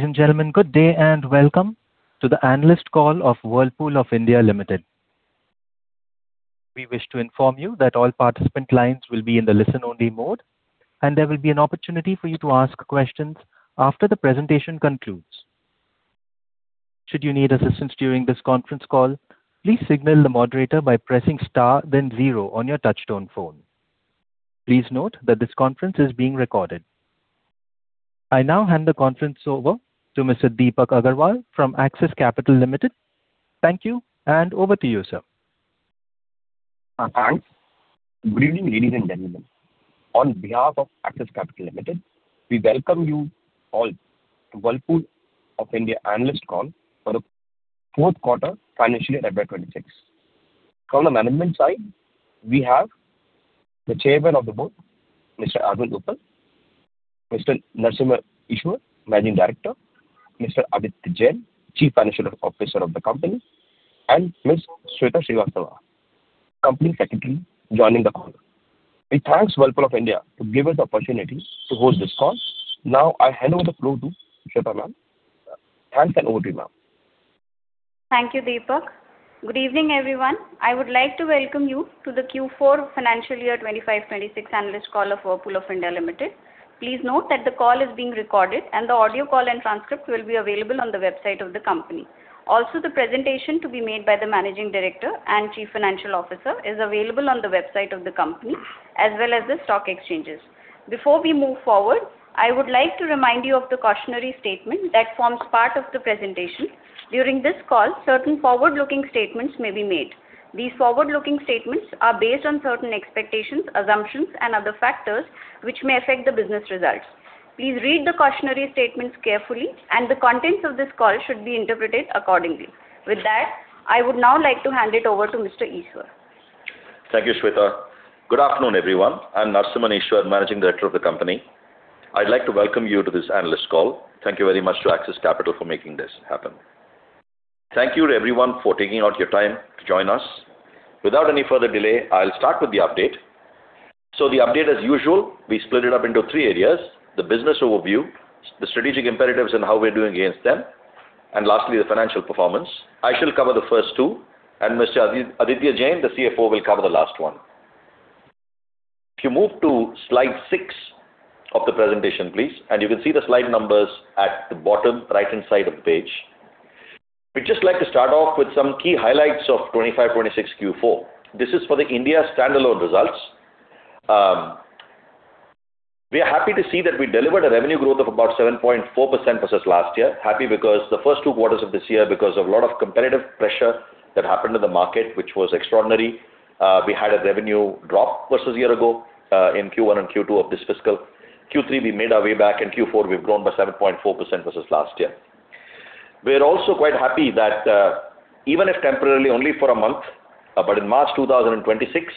Ladies and gentlemen, good day and welcome to the analyst call of Whirlpool of India Limited. We wish to inform you that all participant lines will be in the listen-only mode, and there will be an opportunity for you to ask questions after the presentation concludes. Should you need assistance during this conference call, please signal the moderator by pressing star zero on your touchtone phone. Please note that this conference is being recorded. I now hand the conference over to Mr. Deepak Agarwal from Axis Capital Limited. Thank you, and over to you, sir. Thanks. Good evening, ladies and gentlemen. On behalf of Axis Capital Limited, we welcome you all to Whirlpool of India analyst call for the fourth quarter financially FY 2026. From the management side, we have the Chairman of the Board, Mr. Arvind Uppal, Mr. Narasimhan Eswar, Managing Director, Mr. Aditya Jain, Chief Financial Officer of the company, and Ms. Sweta Srivastava, Company Secretary, joining the call. We thank Whirlpool of India to give us the opportunity to host this call. Now, I hand over the floor to Sweta ma'am. Thanks, and over to you, ma'am. Thank you, Deepak. Good evening, everyone. I would like to welcome you to the Q4 financial year 2025/2026 analyst call of Whirlpool of India Limited. Please note that the call is being recorded and the audio call and transcript will be available on the website of the company. Also, the presentation to be made by the managing director and chief financial officer is available on the website of the company, as well as the stock exchanges. Before we move forward, I would like to remind you of the cautionary statement that forms part of the presentation. During this call, certain forward-looking statements may be made. These forward-looking statements are based on certain expectations, assumptions, and other factors which may affect the business results. Please read the cautionary statements carefully, and the contents of this call should be interpreted accordingly. With that, I would now like to hand it over to Mr. Eswar. Thank you, Sweta. Good afternoon, everyone. I'm Narasimhan Eswar, Managing Director of the company. I'd like to welcome you to this analyst call. Thank you very much to Axis Capital for making this happen. Thank you to everyone for taking out your time to join us. Without any further delay, I'll start with the update. The update as usual, we split it up into three areas, the business overview, the strategic imperatives and how we're doing against them, and lastly, the financial performance. I shall cover the first two, and Mr. Aditya Jain, the CFO, will cover the last one. If you move to slide six of the presentation, please, and you can see the slide numbers at the bottom right-hand side of the page. We'd just like to start off with some key highlights of 2025/2026 Q4. This is for the India standalone results. We are happy to see that we delivered a revenue growth of about 7.4% versus last year. Happy because the first two quarters of this year, because of a lot of competitive pressure that happened in the market, which was extraordinary, we had a revenue drop versus a year ago, in Q1 and Q2 of this fiscal. Q3, we made our way back, and Q4, we've grown by 7.4% versus last year. We're also quite happy that even if temporarily only for a month, but in March 2026,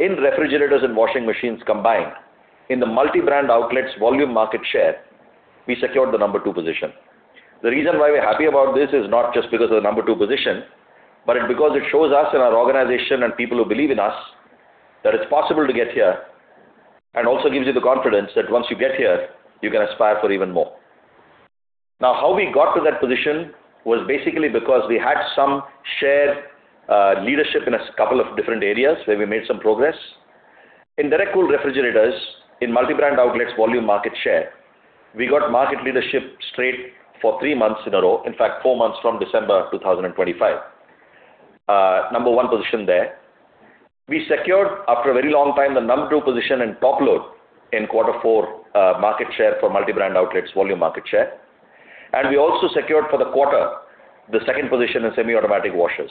in refrigerators and washing machines combined, in the multi-brand outlets volume market share, we secured the number two position. The reason why we're happy about this is not just because of the number two position, but because it shows us in our organization and people who believe in us that it's possible to get here, and also gives you the confidence that once you get here, you can aspire for even more. How we got to that position was basically because we had some shared leadership in a couple of different areas where we made some progress. In direct cool refrigerators, in multi-brand outlets volume market share, we got market leadership straight for three months in a row. Four months from December 2025. Number one position there. We secured, after a very long time, the number two position in top load in quarter four, market share for multi-brand outlets volume market share. We also secured for the quarter, the second position in semi-automatic washers.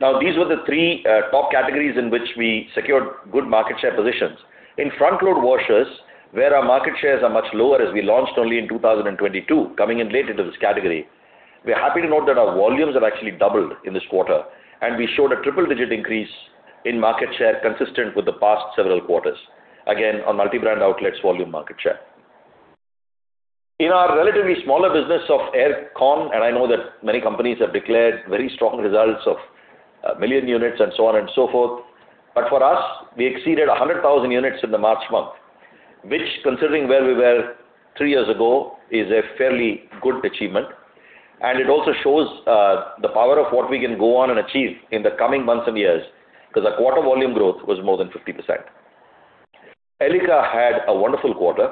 Now, these were the three top categories in which we secured good market share positions. In front load washers, where our market shares are much lower as we launched only in 2022, coming in late into this category, we are happy to note that our volumes have actually doubled in this quarter, and we showed a triple-digit increase in market share consistent with the past several quarters. Again, on multi-brand outlets volume market share. In our relatively smaller business of air con, I know that many companies have declared very strong results of 1 million units and so on and so forth. For us, we exceeded 100,000 unit in the March month, which considering where we were three years ago, is a fairly good achievement, and it also shows the power of what we can go on and achieve in the coming months and years because our quarter volume growth was more than 50%. Elica had a wonderful quarter.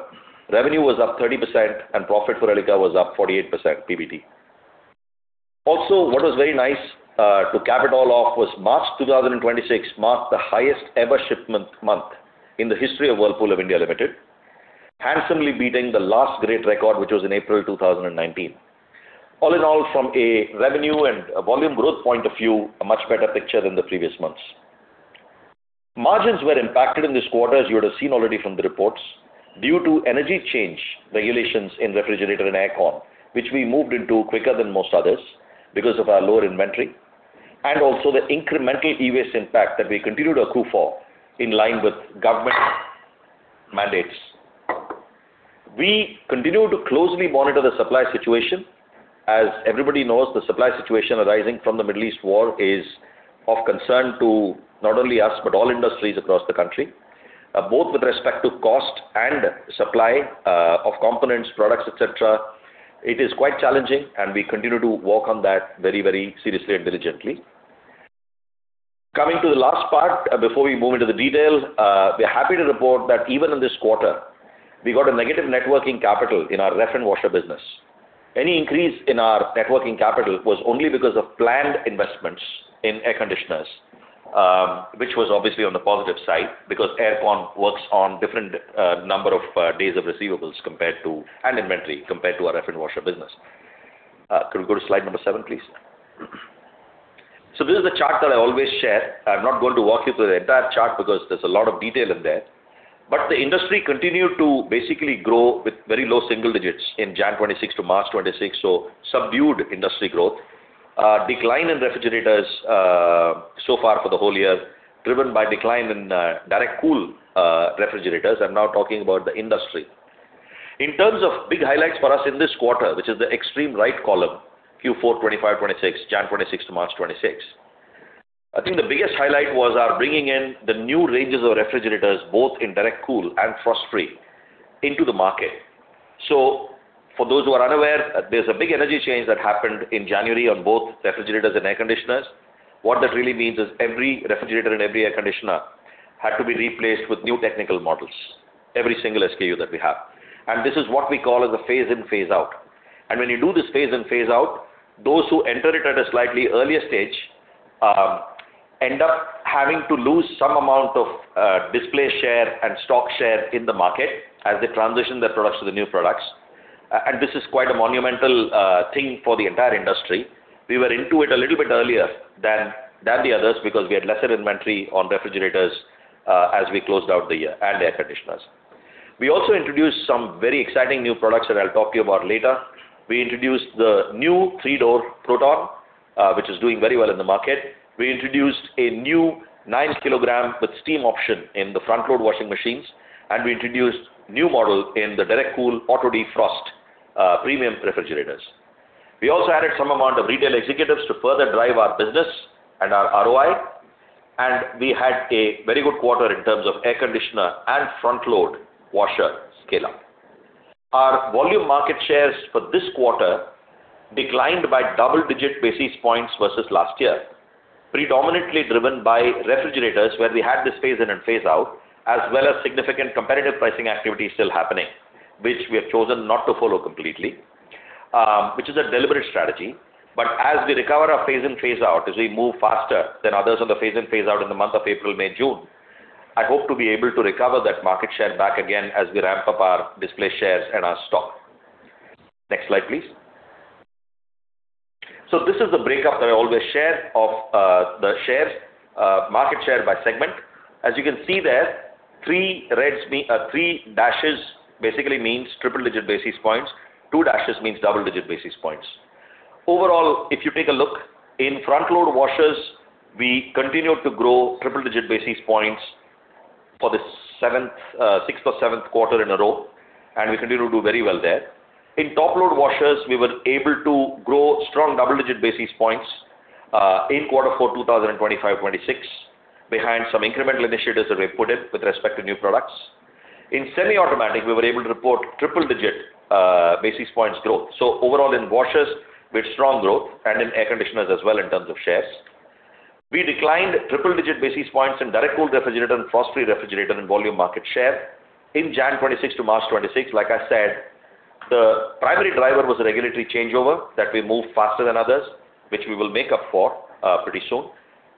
Revenue was up 30%, profit for Elica was up 48% PBT. What was very nice to cap it all off was March 2026 marked the highest ever shipment month in the history of Whirlpool of India Limited, handsomely beating the last great record, which was in April 2019. All in all, from a revenue and a volume growth point of view, a much better picture than the previous months. Margins were impacted in this quarter, as you would have seen already from the reports, due to energy change regulations in refrigerator and air con, which we moved into quicker than most others because of our lower inventory, and also the incremental e-waste impact that we continue to accrue for in line with government mandates. We continue to closely monitor the supply situation. As everybody knows, the supply situation arising from the Middle East war is of concern to not only us, but all industries across the country. Both with respect to cost and supply of components, products, et cetera, it is quite challenging, and we continue to work on that very, very seriously and diligently. Coming to the last part, before we move into the details, we're happy to report that even in this quarter, we got a negative net working capital in our ref and washer business. Any increase in our net working capital was only because of planned investments in air conditioners, which was obviously on the positive side because aircon works on different number of days of receivables and inventory compared to our ref and washer business. Could we go to slide number seven, please? This is the chart that I always share. I'm not going to walk you through the entire chart because there's a lot of detail in there. The industry continued to basically grow with very low single digits in January 2026 to March 2026, so subdued industry growth. Decline in refrigerators so far for the whole year, driven by decline in direct cool refrigerators. I'm now talking about the industry. In terms of big highlights for us in this quarter, which is the extreme right column, Q4 2025/2026, January 2026 to March 2026. I think the biggest highlight was our bringing in the new ranges of refrigerators, both in direct cool and frost-free, into the market. For those who are unaware, there's a big energy change that happened in January on both refrigerators and air conditioners. What that really means is every refrigerator and every air conditioner had to be replaced with new technical models, every single SKU that we have. This is what we call as a phase in, phase out. When you do this phase in, phase out, those who enter it at a slightly earlier stage end up having to lose some amount of display share and stock share in the market as they transition their products to the new products. This is quite a monumental thing for the entire industry. We were into it a little bit earlier than the others because we had lesser inventory on refrigerators as we closed out the year, and air conditioners. We also introduced some very exciting new products that I'll talk to you about later. We introduced the new 3-door Protton, which is doing very well in the market. We introduced a new 9-kilogram with steam option in the front-load washing machines, and we introduced new model in the direct cool auto defrost premium refrigerators. We also added some amount of retail executives to further drive our business and our ROI, and we had a very good quarter in terms of air conditioner and front-load washer scale-up. Our volume market shares for this quarter declined by double-digit basis points versus last year, predominantly driven by refrigerators, where we had this phase in and phase out, as well as significant competitive pricing activity still happening, which we have chosen not to follow completely, which is a deliberate strategy. As we recover our phase in, phase out, as we move faster than others on the phase in, phase out in the month of April, May, June, I hope to be able to recover that market share back again as we ramp up our display shares and our stock. Next slide, please. This is the breakup that I always share of the market share by segment. As you can see there, three dashes basically means triple-digit basis points. Two dashes means double-digit basis points. Overall, if you take a look, in front-load washers, we continued to grow triple-digit basis points for the sixth or seventh quarter in a row, and we continue to do very well there. In top-load washers, we were able to grow strong double-digit basis points in quarter four 2025/2026 behind some incremental initiatives that we've put in with respect to new products. In semi-automatic, we were able to report triple-digit basis points growth. Overall in washers, we had strong growth, and in air conditioners as well in terms of shares. We declined triple-digit basis points in direct cool refrigerator and frost-free refrigerator in volume market share in January 2026 to March 2026. Like I said, the primary driver was a regulatory changeover that we moved faster than others, which we will make up for pretty soon.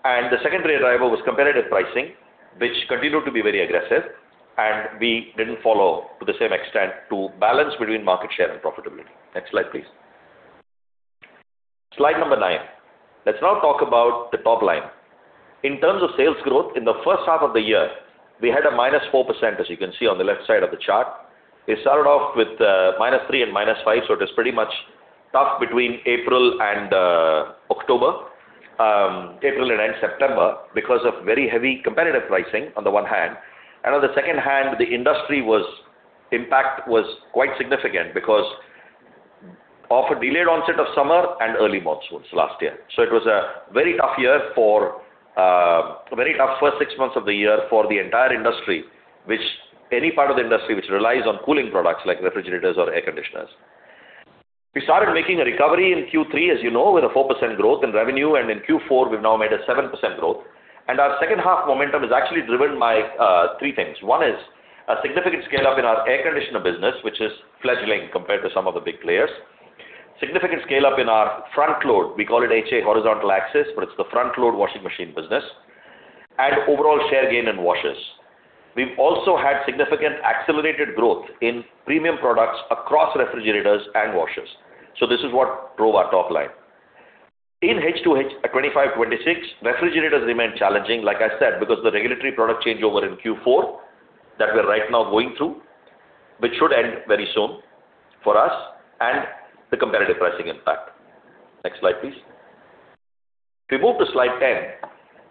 The secondary driver was competitive pricing, which continued to be very aggressive, and we didn't follow to the same extent to balance between market share and profitability. Next slide, please. Slide number nine. Let's now talk about the top line. In terms of sales growth, in the first half of the year, we had a -4%, as you can see on the left side of the chart. We started off with -3% and -5%, it is pretty much tough between April and October, April and end September because of very heavy competitive pricing on the one hand, and on the second hand, the industry impact was quite significant because of a delayed onset of summer and early monsoons last year. It was a very tough first six months of the year for the entire industry, which any part of the industry which relies on cooling products like refrigerators or air conditioners. We started making a recovery in Q3, as you know, with a 4% growth in revenue, and in Q4, we've now made a 7% growth. Our second half momentum is actually driven by three things. One is a significant scale-up in our air conditioner business, which is fledgling compared to some of the big players. Significant scale-up in our front load. We call it HA, horizontal axis, but it's the front-load washing machine business. Overall share gain in washers. We've also had significant accelerated growth in premium products across refrigerators and washers. This is what drove our top line. In H2 2025/2026, refrigerators remained challenging, like I said, because of the regulatory product changeover in Q4 that we're right now going through, which should end very soon for us, and the competitive pricing impact. Next slide, please. If we move to slide 10,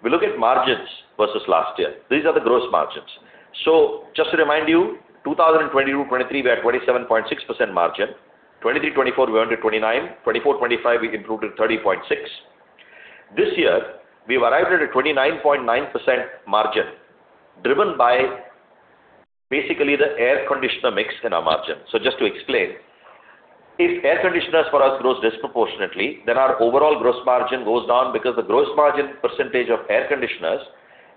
we look at margins versus last year. These are the gross margins. Just to remind you, 2022/2023, we had 27.6% margin. 2023/2024, we went to 29%. 2024/2025, we improved to 30.6%. This year, we've arrived at a 29.9% margin driven by basically the air conditioner mix in our margin. Just to explain, if air conditioners for us grows disproportionately, then our overall gross margin goes down because the gross margin percentage of air conditioners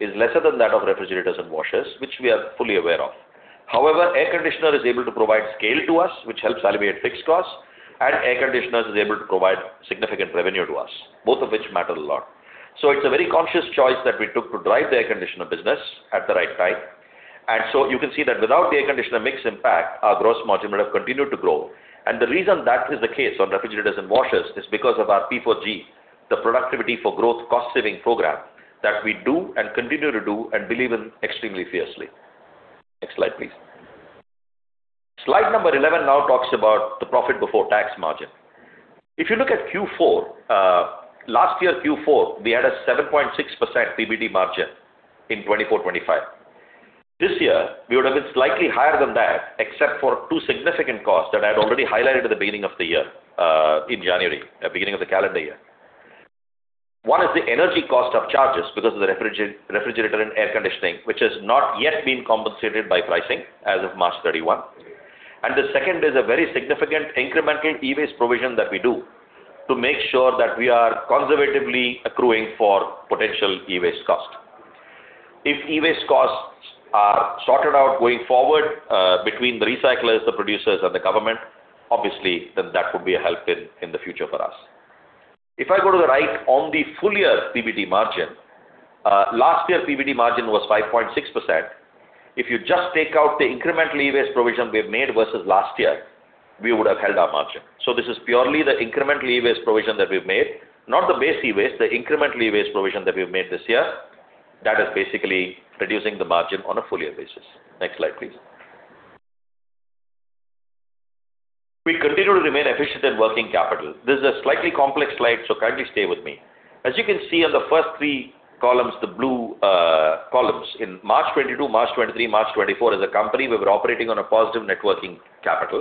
is lesser than that of refrigerators and washers, which we are fully aware of. However, air conditioner is able to provide scale to us, which helps alleviate fixed costs, and air conditioners is able to provide significant revenue to us, both of which matter a lot. It's a very conscious choice that we took to drive the air conditioner business at the right time. You can see that without the air conditioner mix impact, our gross margin would have continued to grow. The reason that is the case on refrigerators and washers is because of our P4G, the Productivity for Growth cost-saving program that we do and continue to do and believe in extremely fiercely. Next slide, please. Slide number 11 now talks about the profit before tax margin. If you look at Q4, last year Q4, we had a 7.6% PBT margin in 2024/2025. This year, we would have been slightly higher than that, except for two significant costs that I had already highlighted at the beginning of the year, in January, at beginning of the calendar year. One is the energy cost of charges because of the refrigerator and air conditioning, which has not yet been compensated by pricing as of March 31. The second is a very significant incremental e-waste provision that we do to make sure that we are conservatively accruing for potential e-waste cost. If e-waste costs are sorted out going forward, between the recyclers, the producers, and the government, obviously, then that would be a help in the future for us. If I go to the right on the full-year PBT margin, last year PBT margin was 5.6%. If you just take out the incremental e-waste provision we've made versus last year, we would have held our margin. This is purely the incremental e-waste provision that we've made, not the base e-waste, the incremental e-waste provision that we've made this year, that is basically reducing the margin on a full-year basis. Next slide, please. We continue to remain efficient in working capital. This is a slightly complex slide, so kindly stay with me. As you can see on the first three columns, the blue columns, in March 2022, March 2023, March 2024, as a company, we were operating on a positive networking capital,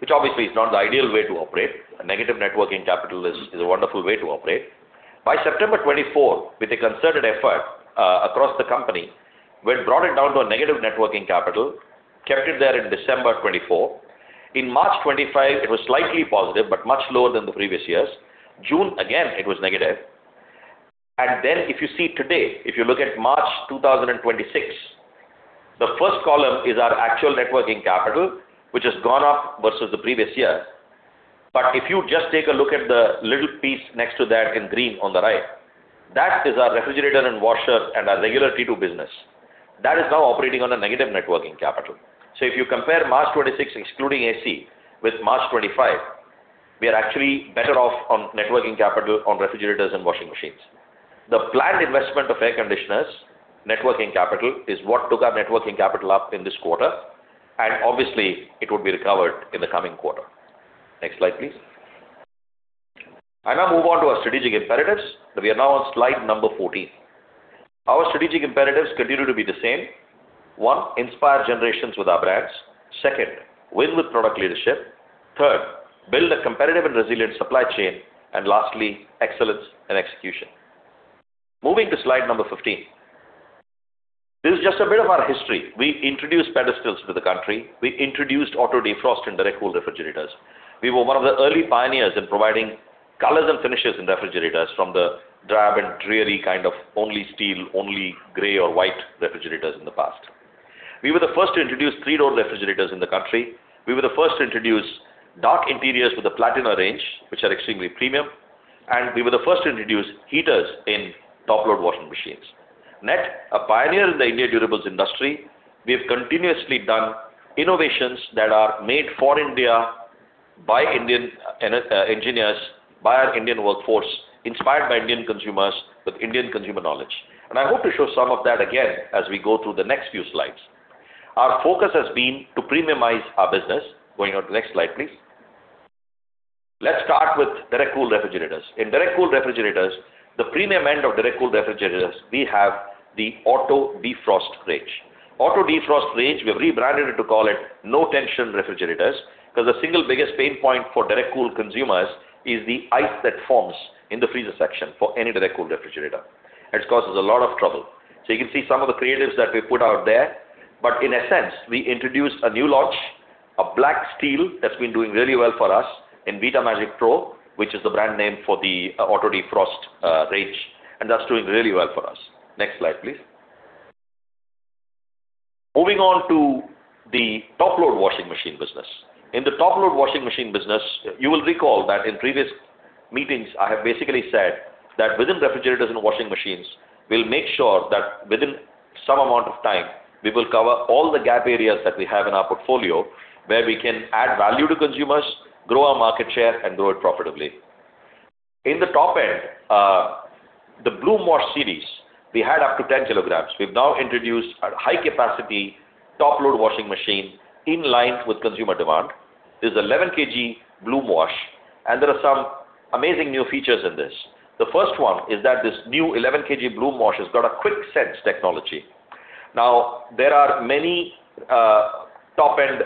which obviously is not the ideal way to operate. A negative networking capital is a wonderful way to operate. By September 2024, with a concerted effort across the company, we had brought it down to a negative networking capital, kept it there in December 2024. In March 2025, it was slightly positive, but much lower than the previous years. June, again, it was negative. If you see today, if you look at March 2026, the first column is our actual networking capital, which has gone up versus the previous year. If you just take a look at the little piece next to that in green on the right, that is our refrigerator and washer and our regular T2 business. That is now operating on a negative networking capital. If you compare March 2026, excluding AC, with March 2025, we are actually better off on networking capital on refrigerators and washing machines. The planned investment of air conditioners' networking capital is what took our networking capital up in this quarter, and obviously, it would be recovered in the coming quarter. Next slide, please. I now move on to our strategic imperatives. We are now on slide number 14. Our strategic imperatives continue to be the same. One, inspire generations with our brands. Second, win with product leadership. Third, build a competitive and resilient supply chain. Lastly, excellence and execution. Moving to slide number 15. This is just a bit of our history. We introduced pedestals to the country. We introduced auto defrost in direct cool refrigerators. We were one of the early pioneers in providing colors and finishes in refrigerators from the drab and dreary kind of only steel, only gray or white refrigerators in the past. We were the first to introduce three-door refrigerators in the country. We were the first to introduce dark interiors with a platinum range, which are extremely premium. We were the first to introduce heaters in top-load washing machines. Net, a pioneer in the India durables industry. We've continuously done innovations that are made for India by Indian engineers, by our Indian workforce, inspired by Indian consumers with Indian consumer knowledge. I hope to show some of that again as we go through the next few slides. Our focus has been to premiumize our business. Going on to the next slide, please. Let's start with direct cool refrigerators. In direct cool refrigerators, the premium end of direct cool refrigerators, we have the auto defrost range. Auto defrost range, we've rebranded it to call it No Tension Refrigerators, because the single biggest pain point for direct cool consumers is the ice that forms in the freezer section for any direct cool refrigerator, and it causes a lot of trouble. You can see some of the creatives that we put out there. In essence, we introduced a new launch of black steel that's been doing really well for us in Vitamagic Pro, which is the brand name for the auto defrost range, and that's doing really well for us. Next slide, please. Moving on to the top-load washing machine business. In the top-load washing machine business, you will recall that in previous meetings, I have basically said that within refrigerators and washing machines, we'll make sure that within some amount of time, we will cover all the gap areas that we have in our portfolio where we can add value to consumers, grow our market share, and do it profitably. In the top end, the Bloomwash series, we had up to 10 kilograms. We've now introduced a high-capacity top-load washing machine in line with consumer demand. This is 11 kg Bloomwash, and there are some amazing new features in this. The first one is that this new 11 kg Bloomwash has got a QuickSense technology. Now, there are many top-end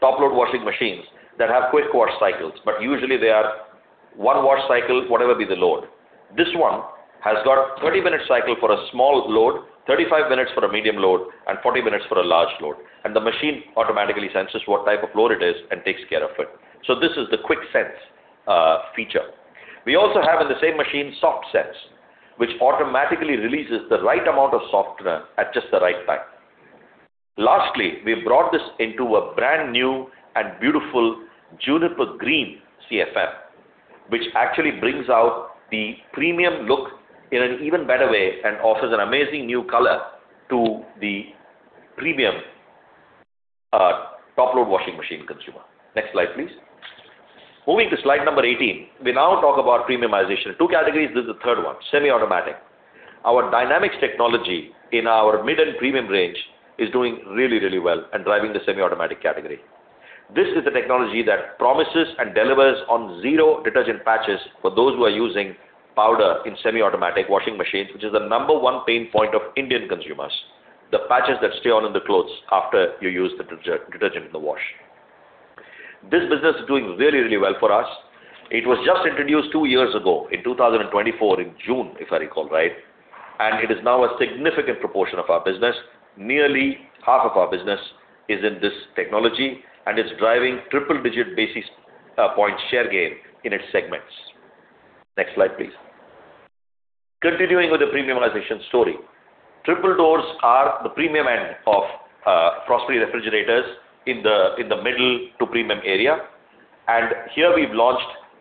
top-load washing machines that have quick wash cycles, but usually they are one wash cycle, whatever be the load. This one has got 30-minute cycle for a small load, 35 minutes for a medium load, and 40 minutes for a large load. The machine automatically senses what type of load it is and takes care of it. This is the QuickSense feature. We also have in the same machine SoftSense, which automatically releases the right amount of softener at just the right time. Lastly, we've brought this into a brand-new and beautiful juniper green CFF, which actually brings out the premium look in an even better way, and offers an amazing new color to the premium top-load washing machine consumer. Next slide, please. Moving to slide number 18. We now talk about premiumization. Two categories, this is the third one, semi-automatic. Our Dynamix technology in our mid and premium range is doing really well and driving the semi-automatic category. This is the technology that promises and delivers on zero detergent patches for those who are using powder in semi-automatic washing machines, which is the number one pain point of Indian consumers, the patches that stay on in the clothes after you use the detergent in the wash. This business is doing really well for us. It was just introduced two years ago in 2024 in June, if I recall right. It is now a significant proportion of our business. Nearly half of our business is in this technology. It's driving triple-digit basis point share gain in its segments. Next slide, please. Continuing with the premiumization story. Triple doors are the premium end of frost-free refrigerators in the middle to premium area. Here we've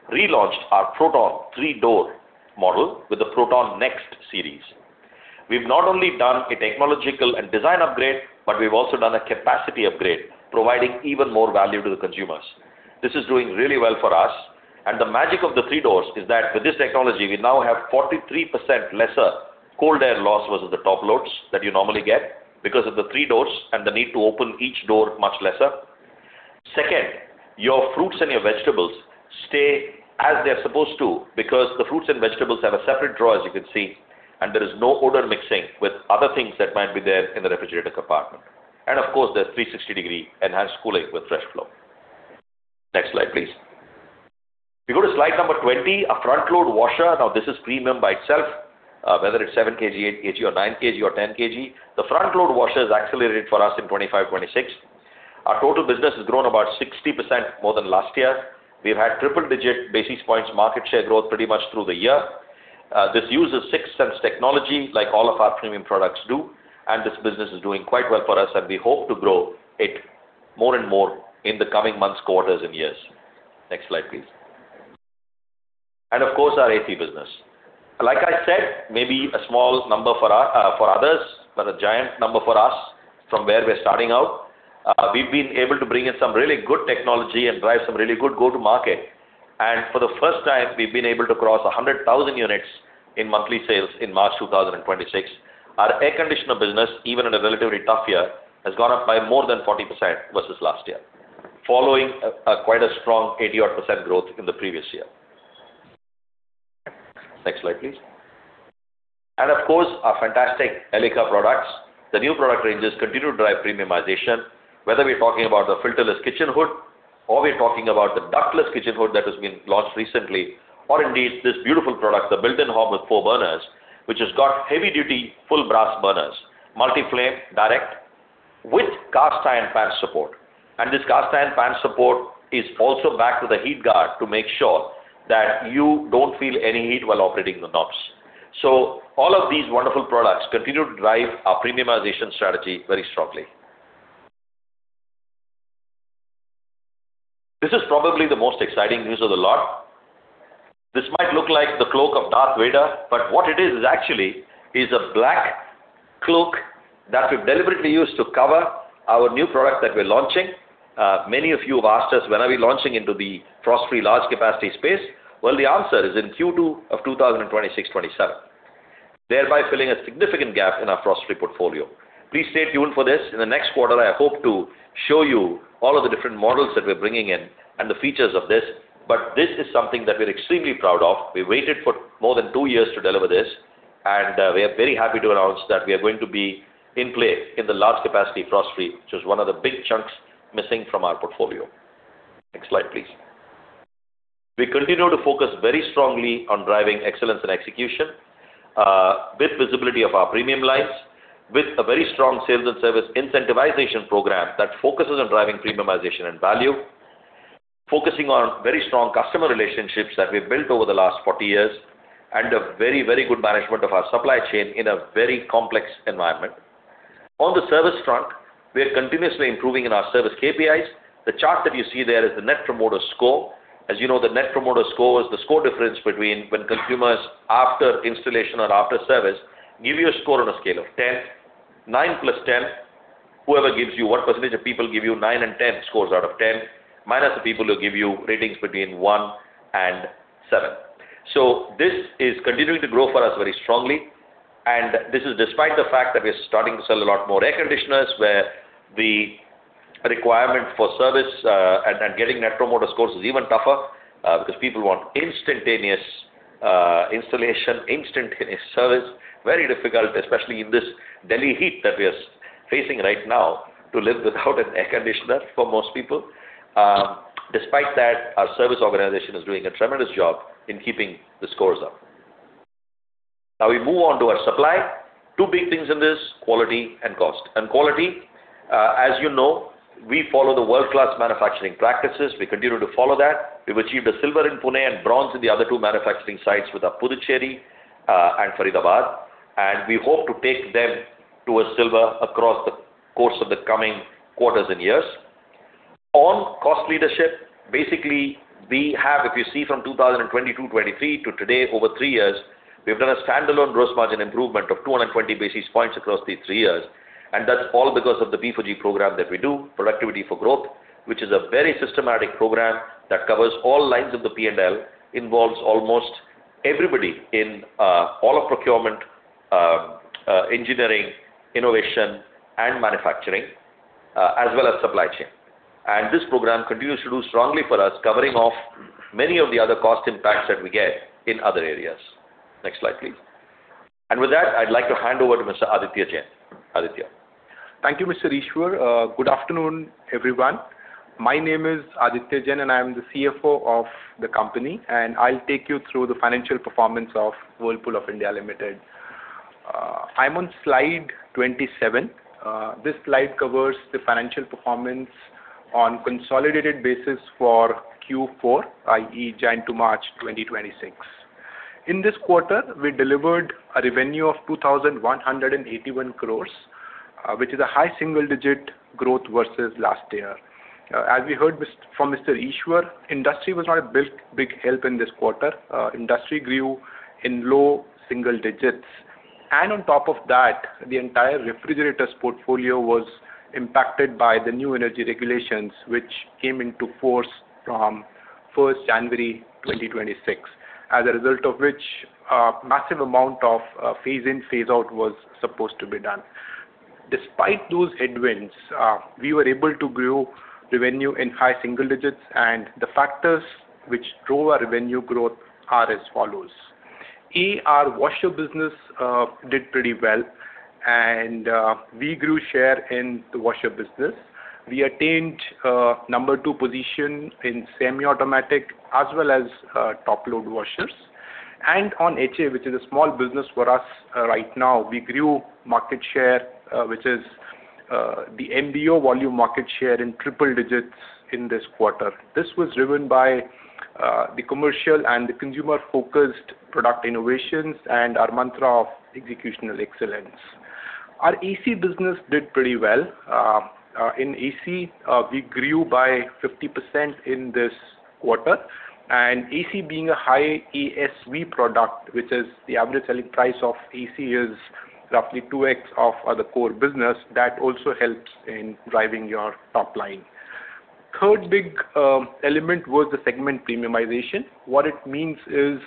relaunched our Protton 3-door model with the Protton Next series. We've not only done a technological and design upgrade. We've also done a capacity upgrade, providing even more value to the consumers. This is doing really well for us. The magic of the three doors is that with this technology, we now have 43% lesser cold air loss versus the top loads that you normally get because of the three doors and the need to open each door much lesser. Second, your fruits and your vegetables stay as they're supposed to because the fruits and vegetables have a separate drawer, as you can see, and there is no odor mixing with other things that might be there in the refrigerator compartment. Of course, there's 360-degree enhanced cooling with Freshflow. Next slide, please. We go to slide number 20, a front-load washer. Now, this is premium by itself, whether it's 7 kg, 8 kg or 9 kg or 10 kg. The front-load washer has accelerated for us in 2025/2026. Our total business has grown about 60% more than last year. We've had triple-digit basis points market share growth pretty much through the year. This uses 6th Sense technology, like all of our premium products do, and this business is doing quite well for us, and we hope to grow it more and more in the coming months, quarters, and years. Next slide, please. Of course, our AC business. Like I said, maybe a small number for others, but a giant number for us from where we're starting out. We've been able to bring in some really good technology and drive some really good go-to-market. For the first time, we've been able to cross 100,000 units in monthly sales in March 2026. Our air conditioner business, even in a relatively tough year, has gone up by more than 40% versus last year, following quite a strong 80-odd% growth in the previous year. Next slide, please. Of course, our fantastic Elica products. The new product ranges continue to drive premiumization, whether we're talking about the filterless kitchen hood or we're talking about the ductless kitchen hood that has been launched recently. Indeed, this beautiful product, the built-in hob with four burners, which has got heavy-duty full brass burners, multi-flame direct with cast iron pan support. This cast iron pan support is also backed with a heat guard to make sure that you don't feel any heat while operating the knobs. All of these wonderful products continue to drive our premiumization strategy very strongly. This is probably the most exciting news of the lot. This might look like the cloak of Darth Vader, but what it is actually a black cloak that we've deliberately used to cover our new product that we're launching. Many of you have asked us, when are we launching into the frost-free large capacity space? The answer is in Q2 of 2026/2027, thereby filling a significant gap in our frost-free portfolio. Please stay tuned for this. In the next quarter, I hope to show you all of the different models that we're bringing in and the features of this. This is something that we're extremely proud of. We waited for more than two years to deliver this, and we are very happy to announce that we are going to be in play in the large capacity frost-free, which is one of the big chunks missing from our portfolio. Next slide, please. We continue to focus very strongly on driving excellence and execution with visibility of our premium lines, with a very strong sales and service incentivization program that focuses on driving premiumization and value, focusing on very strong customer relationships that we've built over the last 40 years, and a very good management of our supply chain in a very complex environment. On the service front, we are continuously improving in our service KPIs. The chart that you see there is the Net Promoter Score. As you know, the Net Promoter Score is the score difference between when consumers, after installation or after service, give you a score on a scale of 10. Nine plus 10, what percentage of people give you nine and 10 scores out of 10, minus the people who give you ratings between one and seven. This is continuing to grow for us very strongly, and this is despite the fact that we're starting to sell a lot more air conditioners where the requirement for service, and getting Net Promoter Scores is even tougher, because people want instantaneous installation, instantaneous service. Very difficult, especially in this Delhi heat that we are facing right now, to live without an air conditioner for most people. Despite that, our service organization is doing a tremendous job in keeping the scores up. We move on to our supply. Two big things in this, quality and cost. Quality, as you know, we follow the world-class manufacturing practices. We continue to follow that. We've achieved a silver in Pune and bronze in the other two manufacturing sites with our Puducherry and Faridabad, and we hope to take them to a silver across the course of the coming quarters and years. On cost leadership, basically we have, if you see from 2022-2023 to today, over three years, we've done a standalone gross margin improvement of 220 basis points across these three years, and that is all because of the P4G program that we do, Productivity for Growth, which is a very systematic program that covers all lines of the P&L, involves almost everybody in all of procurement, engineering, innovation, and manufacturing, as well as supply chain. This program continues to do strongly for us, covering off many of the other cost impacts that we get in other areas. Next slide, please. With that, I would like to hand over to Mr. Aditya Jain. Aditya. Thank you, Mr. Eswar. Good afternoon, everyone. My name is Aditya Jain. I am the CFO of the company. I'll take you through the financial performance of Whirlpool of India Limited. I'm on slide 27. This slide covers the financial performance on consolidated basis for Q4, i.e., January to March 2026. In this quarter, we delivered a revenue of 2,181 crores, which is a high single-digit growth versus last year. As we heard from Mr. Eswar, industry was not a big help in this quarter. Industry grew in low single-digits. On top of that, the entire refrigerators portfolio was impacted by the new energy regulations which came into force from 1st January 2026, as a result of which a massive amount of phase-in, phase-out was supposed to be done. Despite those headwinds, we were able to grow revenue in high single digits. The factors which drove our revenue growth are as follows. A. Our washer business did pretty well. We grew share in the washer business. We attained number two position in semi-automatic as well as top-load washers. On HA, which is a small business for us right now, we grew market share, which is the MBO volume market share in triple digits in this quarter. This was driven by the commercial and the consumer-focused product innovations and our mantra of executional excellence. Our AC business did pretty well. In AC, we grew by 50% in this quarter. AC being a high ASV product, which is the average selling price of AC is roughly 2x of the core business, that also helps in driving your top line. Third big element was the segment premiumization. What it means is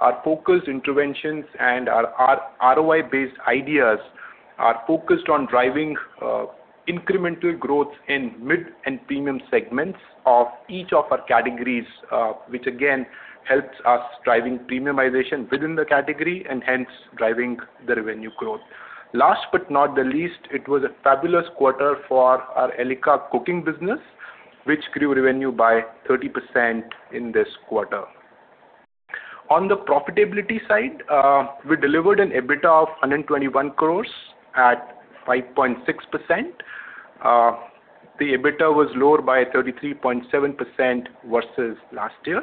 our focused interventions and our ROI-based ideas are focused on driving incremental growth in mid and premium segments of each of our categories, which again helps us driving premiumization within the category and hence driving the revenue growth. Last but not the least, it was a fabulous quarter for our Elica cooking business, which grew revenue by 30% in this quarter. On the profitability side, we delivered an EBITDA of 121 crores at 5.6%. The EBITDA was lower by 33.7% versus last year.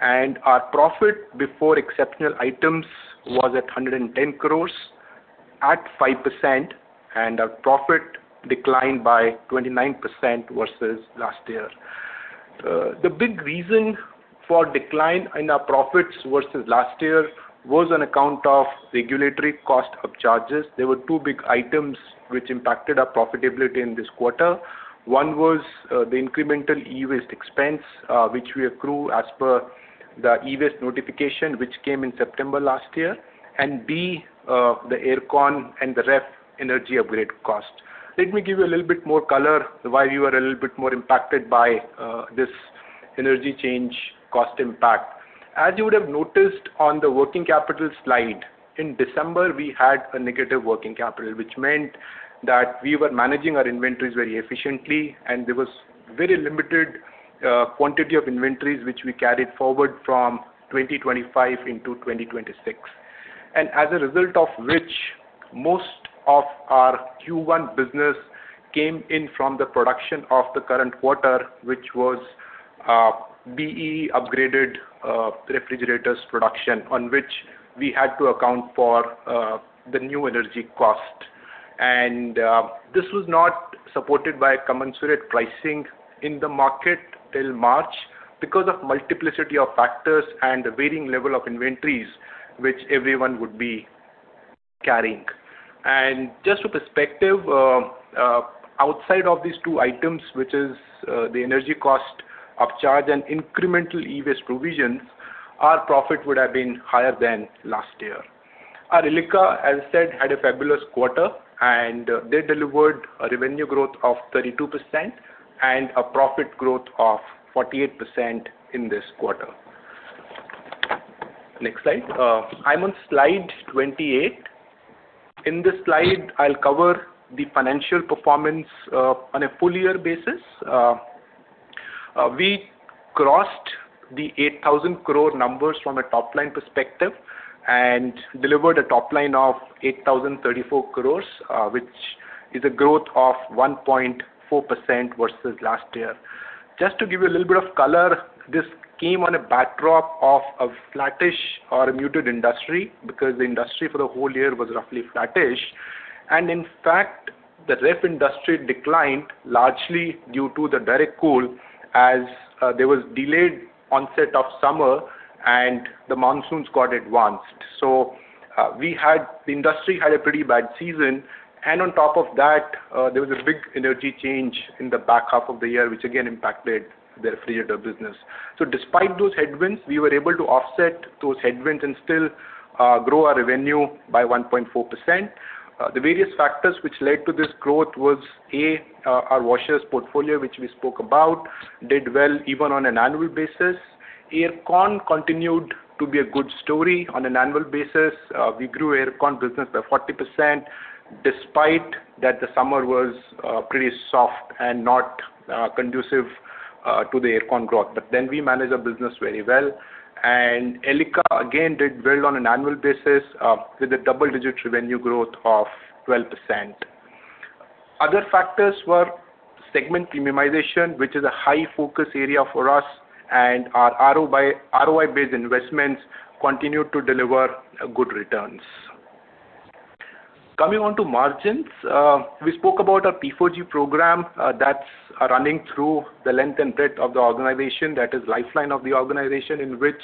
Our profit before exceptional items was at 110 crores at 5%. Our profit declined by 29% versus last year. The big reason for decline in our profits versus last year was on account of regulatory cost upcharges. There were two big items which impacted our profitability in this quarter. One was the incremental e-waste expense, which we accrue as per the e-waste notification which came in September last year. B, the air con and the ref energy upgrade cost. Let me give you a little bit more color why we were a little bit more impacted by this energy change cost impact. As you would have noticed on the working capital slide, in December, we had a negative working capital, which meant that we were managing our inventories very efficiently, and there was very limited quantity of inventories which we carried forward from 2025 into 2026. As a result of which, most of our Q1 business came in from the production of the current quarter, which was BEE upgraded refrigerators production, on which we had to account for the new energy cost. This was not supported by commensurate pricing in the market till March because of multiplicity of factors and the varying level of inventories which everyone would be carrying. Just for perspective, outside of these two items, which is the energy cost upcharge and incremental e-waste provisions, our profit would have been higher than last year. Our Elica, as said, had a fabulous quarter, they delivered a revenue growth of 32% and a profit growth of 48% in this quarter. Next slide. I'm on slide 28. In this slide, I'll cover the financial performance on a full year basis. We crossed the 8,000 crore from a top-line perspective and delivered a top line of 8,034 crore, which is a growth of 1.4% versus last year. Just to give you a little bit of color, this came on a backdrop of a flattish or a muted industry, because the industry for the whole year was roughly flattish. In fact, the ref industry declined largely due to the direct cool as there was delayed onset of summer and the monsoons got advanced. The industry had a pretty bad season. On top of that, there was a big energy change in the back half of the year, which again impacted the refrigerator business. Despite those headwinds, we were able to offset those headwinds and still grow our revenue by 1.4%. The various factors which led to this growth was, A, our washers portfolio, which we spoke about, did well even on an annual basis. Air con continued to be a good story on an annual basis. We grew air con business by 40%, despite that the summer was pretty soft and not conducive to the air con growth. We managed the business very well. Elica, again, did well on an annual basis with a double-digit revenue growth of 12%. Other factors were segment premiumization, which is a high focus area for us, and our ROI-based investments continued to deliver good returns. Coming on to margins. We spoke about our P4G program that's running through the length and breadth of the organization. That is lifeline of the organization, in which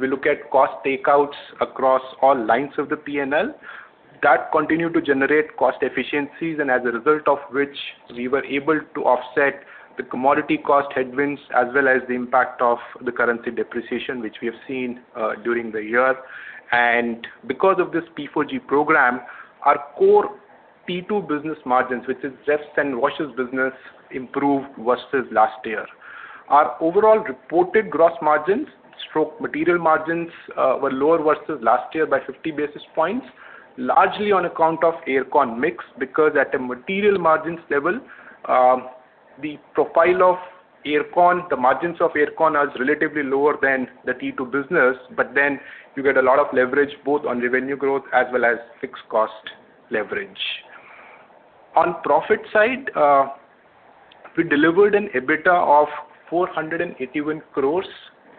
we look at cost takeouts across all lines of the P&L. That continued to generate cost efficiencies, and as a result of which, we were able to offset the commodity cost headwinds as well as the impact of the currency depreciation, which we have seen during the year. Because of this P4G program, our core P2 business margins, which is refs and washers business, improved versus last year. Our overall reported gross margins/material margins were lower versus last year by 50 basis points, largely on account of air con mix, because at a material margins level, the profile of air con, the margins of air con are relatively lower than the T2 business. You get a lot of leverage both on revenue growth as well as fixed cost leverage. On profit side, we delivered an EBITDA of 481 crores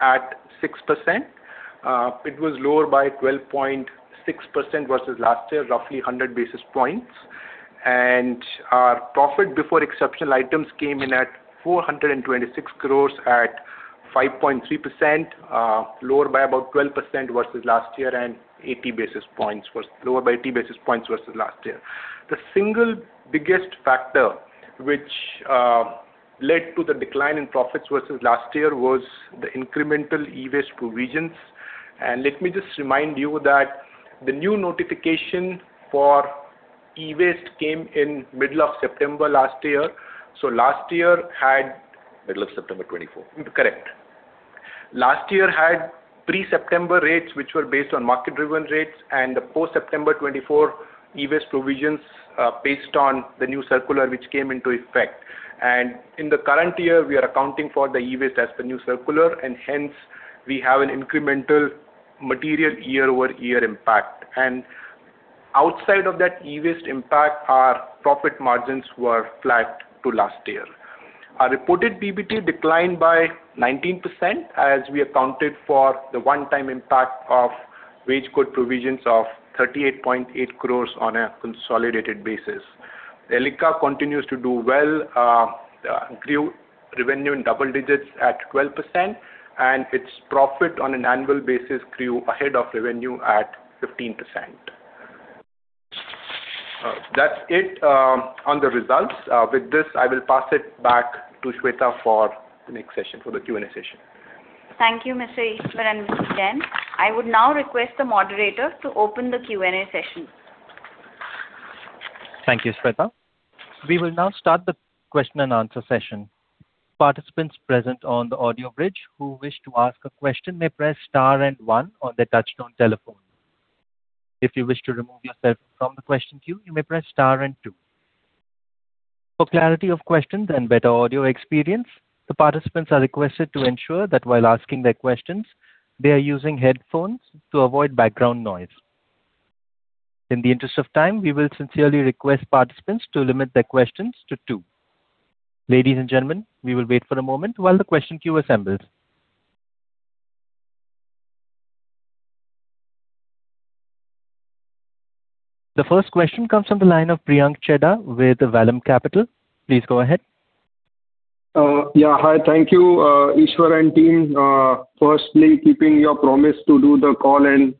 at 6%. It was lower by 12.6% versus last year, roughly 100 basis points. Our profit before exceptional items came in at 426 crores at 5.3%, lower by about 12% versus last year and lower by 80 basis points versus last year. The single biggest factor which led to the decline in profits versus last year was the incremental e-waste provisions. Let me just remind you that the new notification for e-waste came in middle of September last year. Middle of September 2024. Correct. Last year had pre-September rates, which were based on market-driven rates, and the post-September 24 e-waste provisions based on the new circular which came into effect. In the current year, we are accounting for the e-waste as the new circular, and hence, we have an incremental material year-over-year impact. Outside of that e-waste impact, our profit margins were flat to last year. Our reported PBT declined by 19% as we accounted for the one-time impact of wage code provisions of 38.8 crores on a consolidated basis. Elica continues to do well, grew revenue in double digits at 12%, and its profit on an annual basis grew ahead of revenue at 15%. That's it on the results. With this, I will pass it back to Sweta for the next session, for the Q and A session. Thank you, Mr. Eswar and Mr. Jain. I would now request the moderator to open the Q and A session. Thank you, Sweta. We will now start the question-and-answer session. Participants present on the audio bridge who wish to ask a question may press star one on their touch-tone telephone. If you wish to remove yourself from the question queue, you may press star two. For clarity of questions and better audio experience, the participants are requested to ensure that while asking their questions, they are using headphones to avoid background noise. In the interest of time, we will sincerely request participants to limit their questions to two. Ladies and gentlemen, we will wait for a moment while the question queue assembles. The first question comes from the line of Priyank Chheda with Vallum Capital. Please go ahead. Hi. Thank you, Eswar and team. Firstly, keeping your promise to do the call and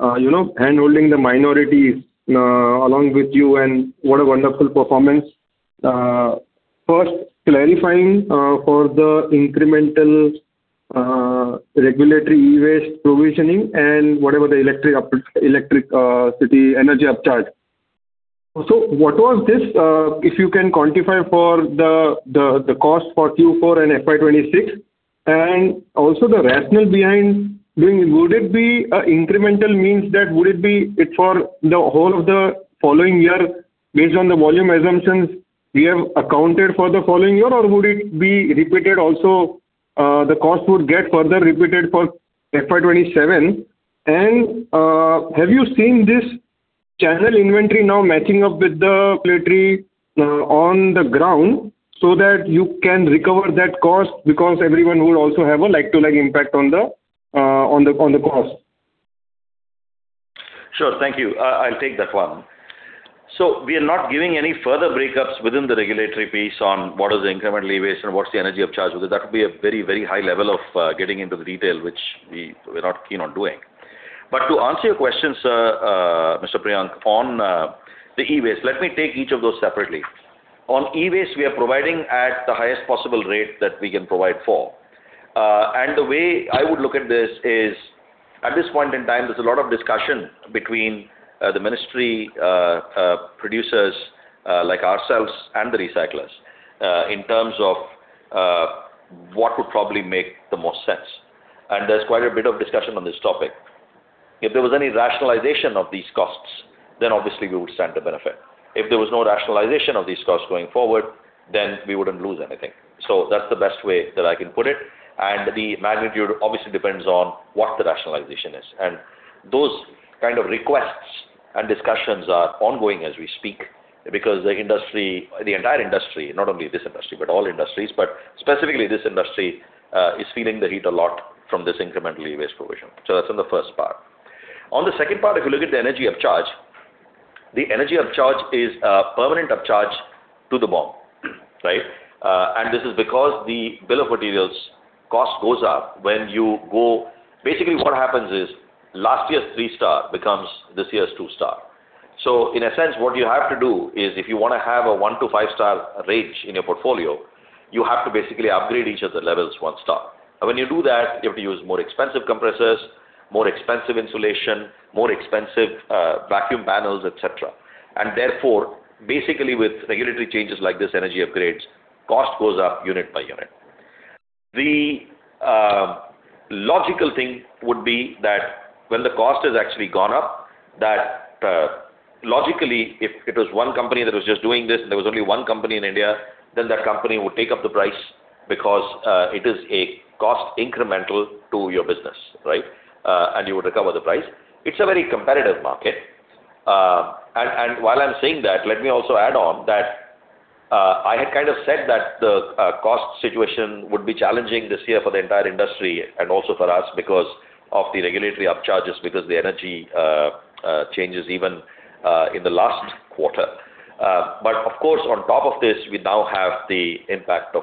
handholding the minorities along with you, and what a wonderful performance. First, clarifying for the incremental e-waste provisioning and whatever the electricity energy upcharge. What was this, if you can quantify for the cost for Q4 and FY 2026, and also the rationale behind doing? Would it be incremental means that would it be it for the whole of the following year based on the volume assumptions we have accounted for the following year, or would it be repeated also, the cost would get further repeated for FY 2027? Have you seen this channel inventory now matching up with the regulatory on the ground so that you can recover that cost because everyone would also have a like to like impact on the cost? Sure. Thank you. I'll take that one. We are not giving any further breakups within the regulatory piece on what is the incremental e-waste and what's the energy upcharge with it. That would be a very high level of getting into the detail, which we're not keen on doing. To answer your questions, Mr. Priyank, on the e-waste, let me take each of those separately. On e-waste, we are providing at the highest possible rate that we can provide for. The way I would look at this is, at this point in time, there's a lot of discussion between the ministry, producers like ourselves and the recyclers, in terms of what would probably make the most sense. There's quite a bit of discussion on this topic. If there was any rationalization of these costs, then obviously we would stand to benefit. If there was no rationalization of these costs going forward, we wouldn't lose anything. That's the best way that I can put it, the magnitude obviously depends on what the rationalization is. Those kind of requests and discussions are ongoing as we speak because the entire industry, not only this industry, but all industries, but specifically this industry, is feeling the heat a lot from this incremental e-waste provision. That's on the first part. On the second part, if you look at the energy upcharge, the energy upcharge is a permanent upcharge to the BOM. Right? This is because the bill of materials cost goes up. Basically what happens is last year's three star becomes this year's two star. In a sense, what you have to do is if you want to have a one to five star range in your portfolio, you have to basically upgrade each of the levels one star. When you do that, you have to use more expensive compressors, more expensive insulation, more expensive vacuum panels, et cetera. Therefore, basically with regulatory changes like this, energy upgrades, cost goes up unit by unit. The logical thing would be that when the cost has actually gone up, that, logically, if it was one company that was just doing this and there was only one company in India, then that company would take up the price because it is a cost incremental to your business. Right? You would recover the price. It's a very competitive market. While I'm saying that, let me also add on that, I had kind of said that the cost situation would be challenging this year for the entire industry and also for us because of the regulatory upcharges, because the energy changes even in the last quarter. Of course, on top of this, we now have the impact of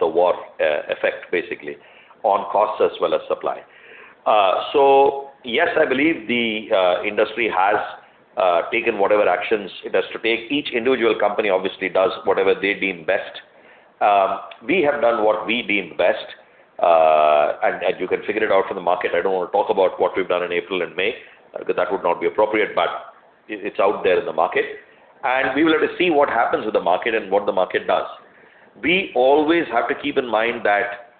the war effect basically on costs as well as supply. Yes, I believe the industry has taken whatever actions it has to take. Each individual company obviously does whatever they deem best. We have done what we deem best. You can figure it out from the market. I don't want to talk about what we've done in April and May, because that would not be appropriate, but it's out there in the market, and we will have to see what happens with the market and what the market does. We always have to keep in mind that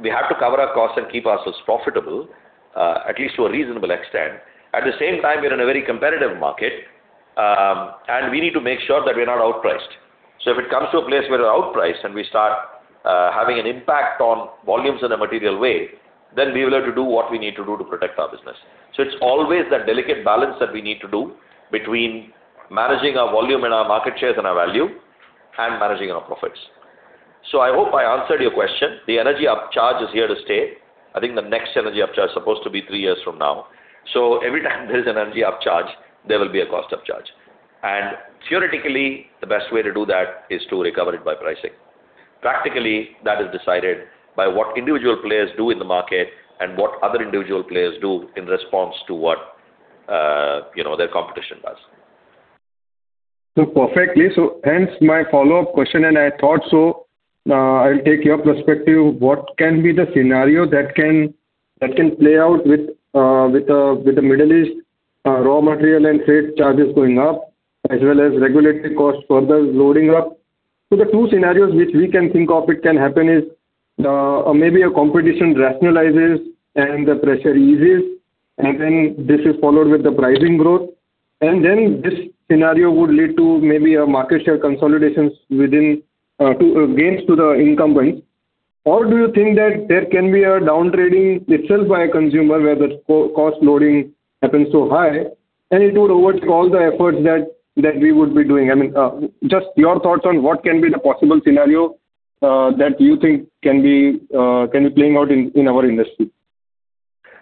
we have to cover our costs and keep ourselves profitable, at least to a reasonable extent. At the same time, we're in a very competitive market, and we need to make sure that we're not outpriced. If it comes to a place where we're outpriced and we start having an impact on volumes in a material way, then we will have to do what we need to do to protect our business. It's always that delicate balance that we need to do between managing our volume and our market shares and our value, and managing our profits. I hope I answered your question. The energy upcharge is here to stay. I think the next energy upcharge is supposed to be three years from now. Every time there is an energy upcharge, there will be a cost upcharge. Theoretically, the best way to do that is to recover it by pricing. Practically, that is decided by what individual players do in the market and what other individual players do in response to what their competition does. Perfectly. Hence my follow-up question, and I thought so, I'll take your perspective. What can be the scenario that can play out with the Middle East raw material and freight charges going up as well as regulatory costs further loading up? The two scenarios which we can think of it can happen is, maybe a competition rationalizes and the pressure eases, and then this is followed with the pricing growth, and then this scenario would lead to maybe a market share consolidations within gains to the incumbents. Do you think that there can be a downtrading itself by a consumer where the cost loading happens so high and it would overtake all the efforts that we would be doing? I mean, just your thoughts on what can be the possible scenario, that you think can be playing out in our industry.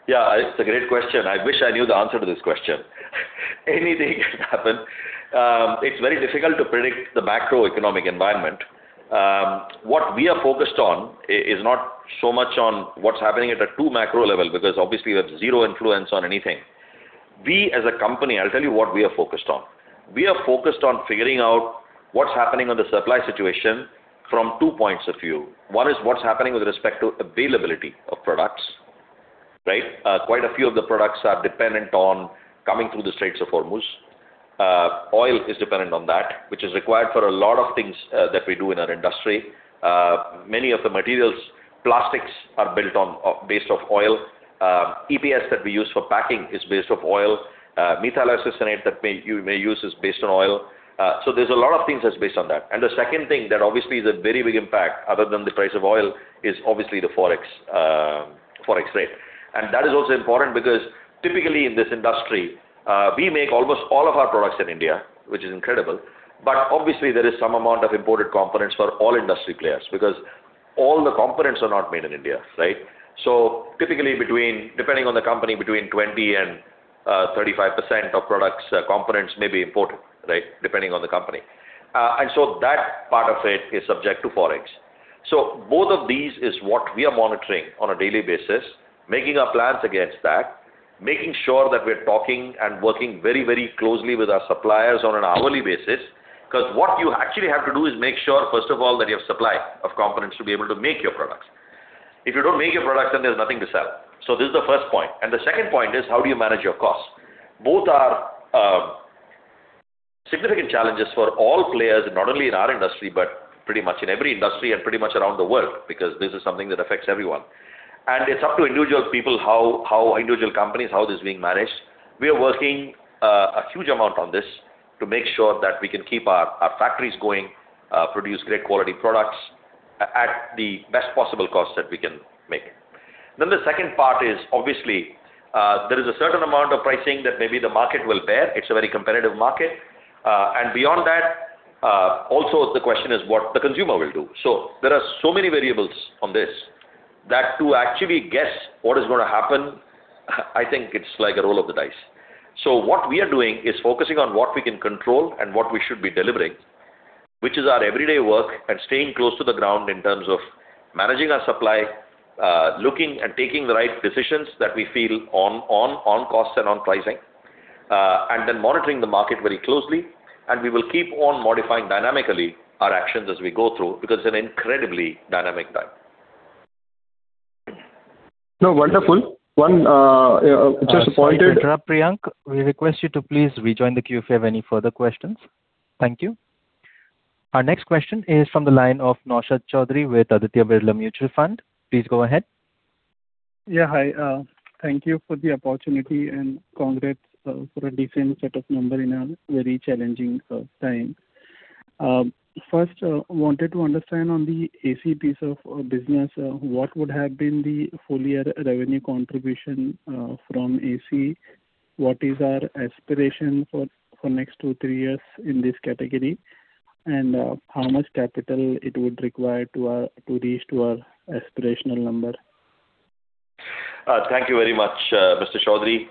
Yeah, it's a great question. I wish I knew the answer to this question. Anything can happen. It's very difficult to predict the macroeconomic environment. What we are focused on is not so much on what's happening at a too macro level, because obviously we have zero influence on anything. We as a company, I'll tell you what we are focused on. We are focused on figuring out what's happening on the supply situation from two points of view. One is what's happening with respect to availability of products. Quite a few of the products are dependent on coming through the Strait of Hormuz. Oil is dependent on that, which is required for a lot of things that we do in our industry. Many of the materials, plastics are based off oil. EPS that we use for packing is based off oil. Methyl isocyanate that we may use is based on oil. There's a lot of things that's based on that. The second thing that obviously is a very big impact other than the price of oil is obviously the Forex rate. That is also important because typically in this industry, we make almost all of our products in India, which is incredible. But obviously there is some amount of imported components for all industry players because all the components are not made in India, right? Typically, depending on the company, between 20%-35% of products components may be imported. Depending on the company. That part of it is subject to Forex. Both of these is what we are monitoring on a daily basis, making our plans against that, making sure that we're talking and working very closely with our suppliers on an hourly basis. What you actually have to do is make sure, first of all, that you have supply of components to be able to make your products. If you don't make your products, then there's nothing to sell. This is the first point. The second point is how do you manage your costs? Both are significant challenges for all players, not only in our industry, but pretty much in every industry and pretty much around the world, because this is something that affects everyone. It's up to individual people, individual companies, how this is being managed. We are working a huge amount on this to make sure that we can keep our factories going, produce great quality products at the best possible cost that we can make. The second part is obviously, there is a certain amount of pricing that maybe the market will bear. It's a very competitive market. Beyond that, also the question is what the consumer will do. There are so many variables on this that to actually guess what is going to happen, I think it's like a roll of the dice. What we are doing is focusing on what we can control and what we should be delivering, which is our everyday work, and staying close to the ground in terms of managing our supply, looking and taking the right decisions that we feel on costs and on pricing, and then monitoring the market very closely. We will keep on modifying dynamically our actions as we go through because it's an incredibly dynamic time. No, wonderful. Sorry to interrupt, Priyank. We request you to please rejoin the queue if you have any further questions. Thank you. Our next question is from the line of Naushad Chaudhary with Aditya Birla Mutual Fund. Please go ahead. Yeah, hi. Thank you for the opportunity and congrats for a decent set of number in a very challenging time. First, wanted to understand on the AC piece of business, what would have been the full year revenue contribution from AC? What is our aspiration for next two, three years in this category? How much capital it would require to reach to our aspirational number? Thank you very much, Mr. Chaudhary.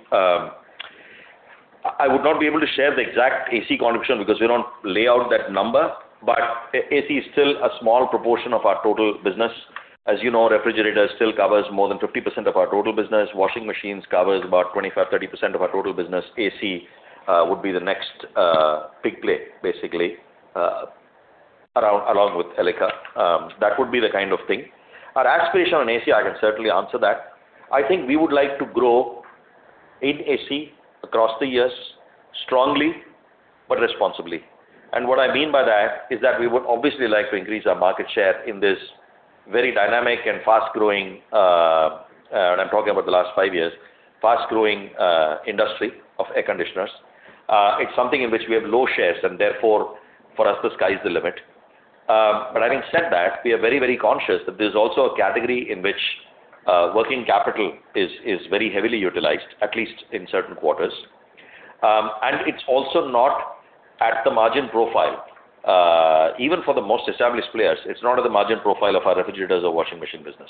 I would not be able to share the exact AC contribution because we don't lay out that number, but AC is still a small proportion of our total business. As you know, refrigerators still covers more than 50% of our total business. Washing machines covers about 25%, 30% of our total business. AC would be the next big play, basically, along with Elica. That would be the kind of thing. Our aspiration on AC, I can certainly answer that. I think we would like to grow in AC across the years strongly but responsibly. What I mean by that is that we would obviously like to increase our market share in this very dynamic and fast-growing, and I'm talking about the last five years, fast-growing industry of air conditioners. It's something in which we have low shares. Therefore for us, the sky's the limit. Having said that, we are very conscious that there's also a category in which working capital is very heavily utilized, at least in certain quarters. It's also not at the margin profile. Even for the most established players, it's not at the margin profile of our refrigerators or washing machine business.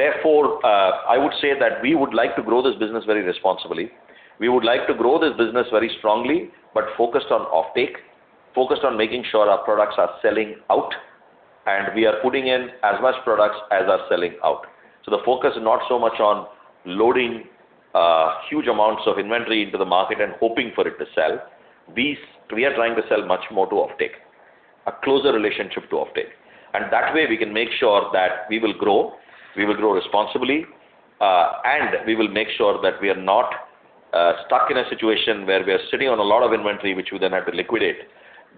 Therefore, I would say that we would like to grow this business very responsibly. We would like to grow this business very strongly, but focused on offtake, focused on making sure our products are selling out, and we are putting in as much products as are selling out. The focus is not so much on loading huge amounts of inventory into the market and hoping for it to sell. We are trying to sell much more to offtake, a closer relationship to offtake. That way we can make sure that we will grow, we will grow responsibly, and we will make sure that we are not stuck in a situation where we are sitting on a lot of inventory, which we then have to liquidate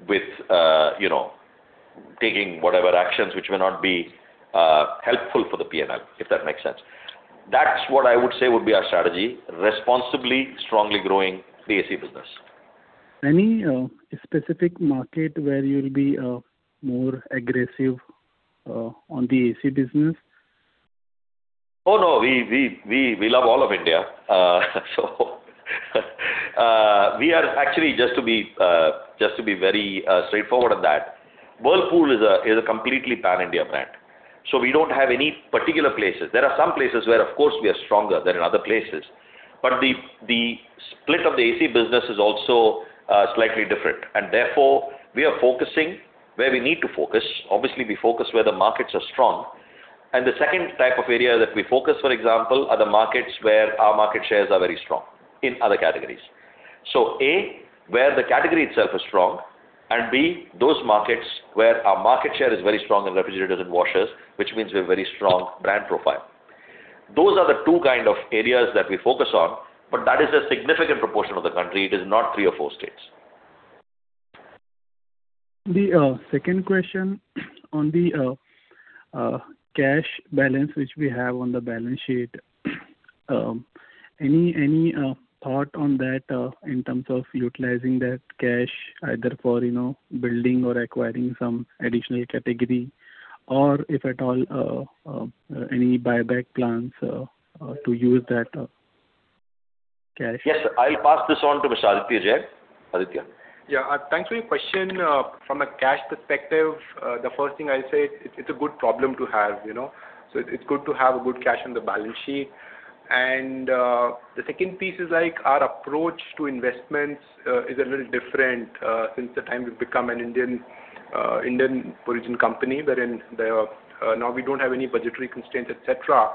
with taking whatever actions which may not be helpful for the P&L, if that makes sense. That's what I would say would be our strategy, responsibly, strongly growing the AC business. Any specific market where you'll be more aggressive on the AC business? No, we love all of India. We are actually, just to be very straightforward on that, Whirlpool is a completely pan-India brand, so we don't have any particular places. There are some places where, of course, we are stronger than in other places. The split of the AC business is also slightly different, and therefore we are focusing where we need to focus. Obviously, we focus where the markets are strong. The second type of area that we focus, for example, are the markets where our market shares are very strong in other categories. A, where the category itself is strong, and B, those markets where our market share is very strong in refrigerators and washers, which means we have very strong brand profile. Those are the two kind of areas that we focus on, but that is a significant proportion of the country. It is not three or four states. The second question on the cash balance which we have on the balance sheet. Any thought on that in terms of utilizing that cash either for building or acquiring some additional category? If at all, any buyback plans to use that cash? Yes. I'll pass this on to Aditya Jain. Aditya. Yeah. Thanks for your question. From a cash perspective, the first thing I'll say, it's a good problem to have. It's good to have a good cash on the balance sheet. The second piece is our approach to investments is a little different since the time we've become an Indian origin company, wherein now we don't have any budgetary constraints, et cetera,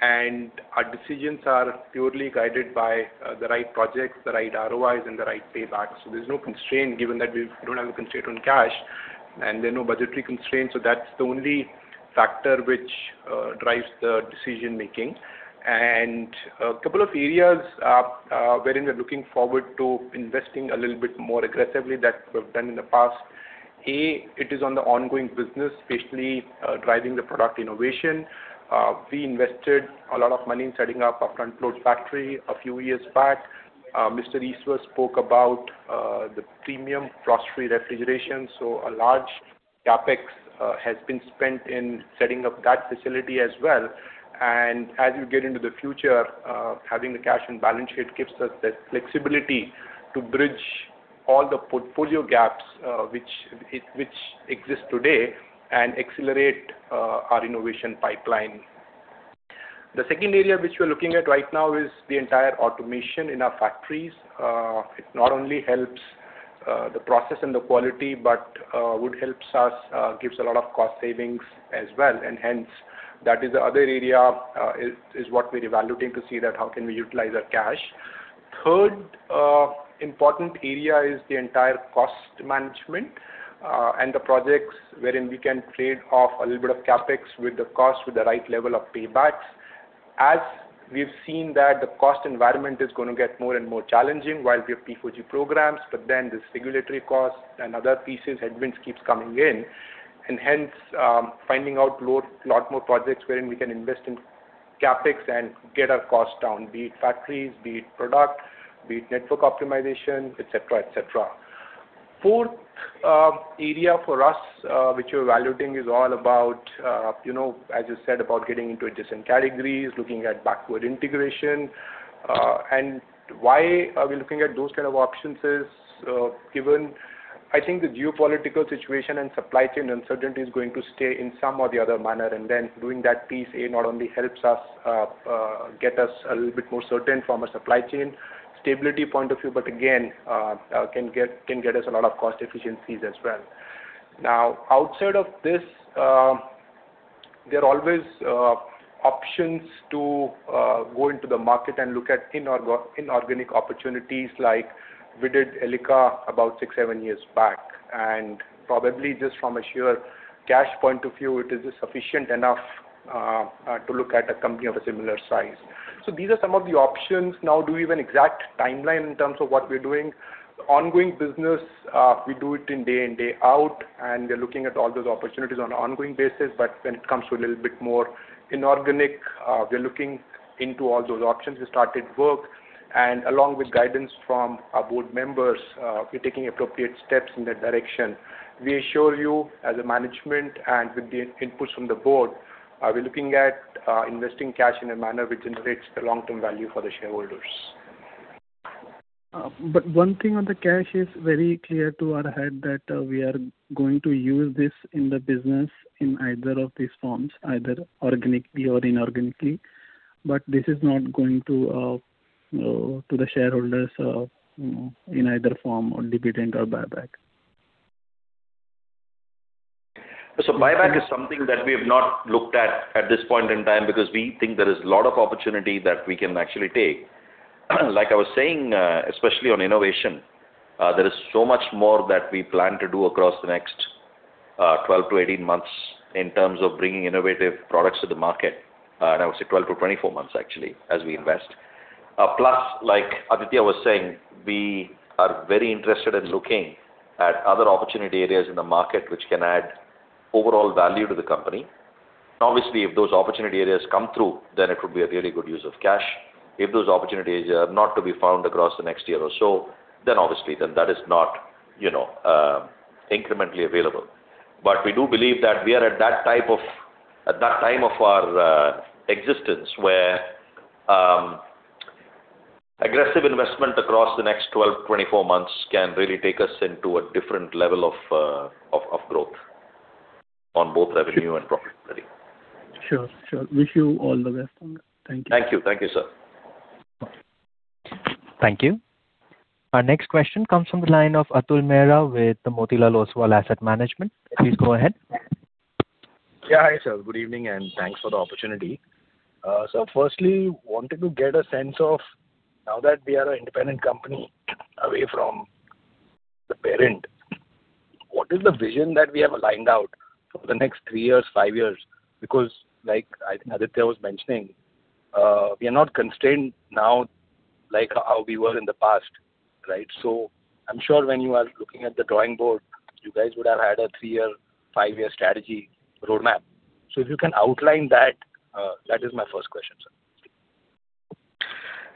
and our decisions are purely guided by the right projects, the right ROIs, and the right paybacks. There's no constraint given that we don't have a constraint on cash and there are no budgetary constraints. That's the only factor which drives the decision-making. A couple of areas wherein we're looking forward to investing a little bit more aggressively that we've done in the past. A, it is on the ongoing business, especially driving the product innovation. We invested a lot of money in setting up a front-load factory a few years back. Mr. Eswar spoke about the premium frost-free refrigeration. A large CapEx has been spent in setting up that facility as well. As we get into the future, having the cash on balance sheet gives us that flexibility to bridge all the portfolio gaps which exist today and accelerate our innovation pipeline. The second area which we're looking at right now is the entire automation in our factories. It not only helps the process and the quality, but gives a lot of cost savings as well. Hence, that is the other area, is what we're evaluating to see that how can we utilize our cash. Third important area is the entire cost management, and the projects wherein we can trade off a little bit of CapEx with the cost, with the right level of paybacks. As we've seen that the cost environment is going to get more and more challenging while we have P4G programs, but then there's regulatory costs and other pieces, headwinds keeps coming in. Hence, finding out lot more projects wherein we can invest in CapEx and get our costs down, be it factories, be it product, be it network optimization, et cetera. Fourth area for us which we're evaluating is all about, as you said, about getting into adjacent categories, looking at backward integration. Why are we looking at those kind of options is given, I think the geopolitical situation and supply chain uncertainty is going to stay in some or the other manner, and then doing that piece, A, not only helps us get us a little bit more certain from a supply chain stability point of view, but again, can get us a lot of cost efficiencies as well. Now, outside of this, there are always options to go into the market and look at inorganic opportunities like we did Elica about six, seven years back. Probably just from a sheer cash point of view, it is sufficient enough to look at a company of a similar size. These are some of the options. Now, do we have an exact timeline in terms of what we're doing? Ongoing business, we do it in day in, day out, and we're looking at all those opportunities on an ongoing basis. When it comes to a little bit more inorganic, we're looking into all those options. We started work. Along with guidance from our board members, we're taking appropriate steps in that direction. We assure you as a management and with the inputs from the board, we're looking at investing cash in a manner which generates the long-term value for the shareholders. One thing on the cash is very clear to our head that we are going to use this in the business in either of these forms, either organically or inorganically. This is not going to the shareholders in either form, or dividend or buyback. Buyback is something that we have not looked at this point in time because we think there is a lot of opportunity that we can actually take. I was saying, especially on innovation, there is so much more that we plan to do across the next 12 to 18 months in terms of bringing innovative products to the market. I would say 12 to 24 months actually, as we invest. Like Aditya was saying, we are very interested in looking at other opportunity areas in the market which can add overall value to the company. If those opportunity areas come through, then it would be a really good use of cash. If those opportunities are not to be found across the next year or so, then obviously that is not incrementally available. We do believe that we are at that time of our existence where aggressive investment across the next 12, 24 months can really take us into a different level of growth on both revenue and profitability. Sure. Wish you all the best on that. Thank you. Thank you, sir. Thank you. Our next question comes from the line of Atul Mehra with the Motilal Oswal Asset Management. Please go ahead. Hi, sir. Good evening, thanks for the opportunity. Sir, firstly, wanted to get a sense of now that we are an independent company away from the parent, what is the vision that we have aligned out for the next three years, five years? Like, I think Aditya was mentioning, we are not constrained now like how we were in the past. Right? I'm sure when you are looking at the drawing board, you guys would have had a three year, five year strategy roadmap. If you can outline that is my first question, sir.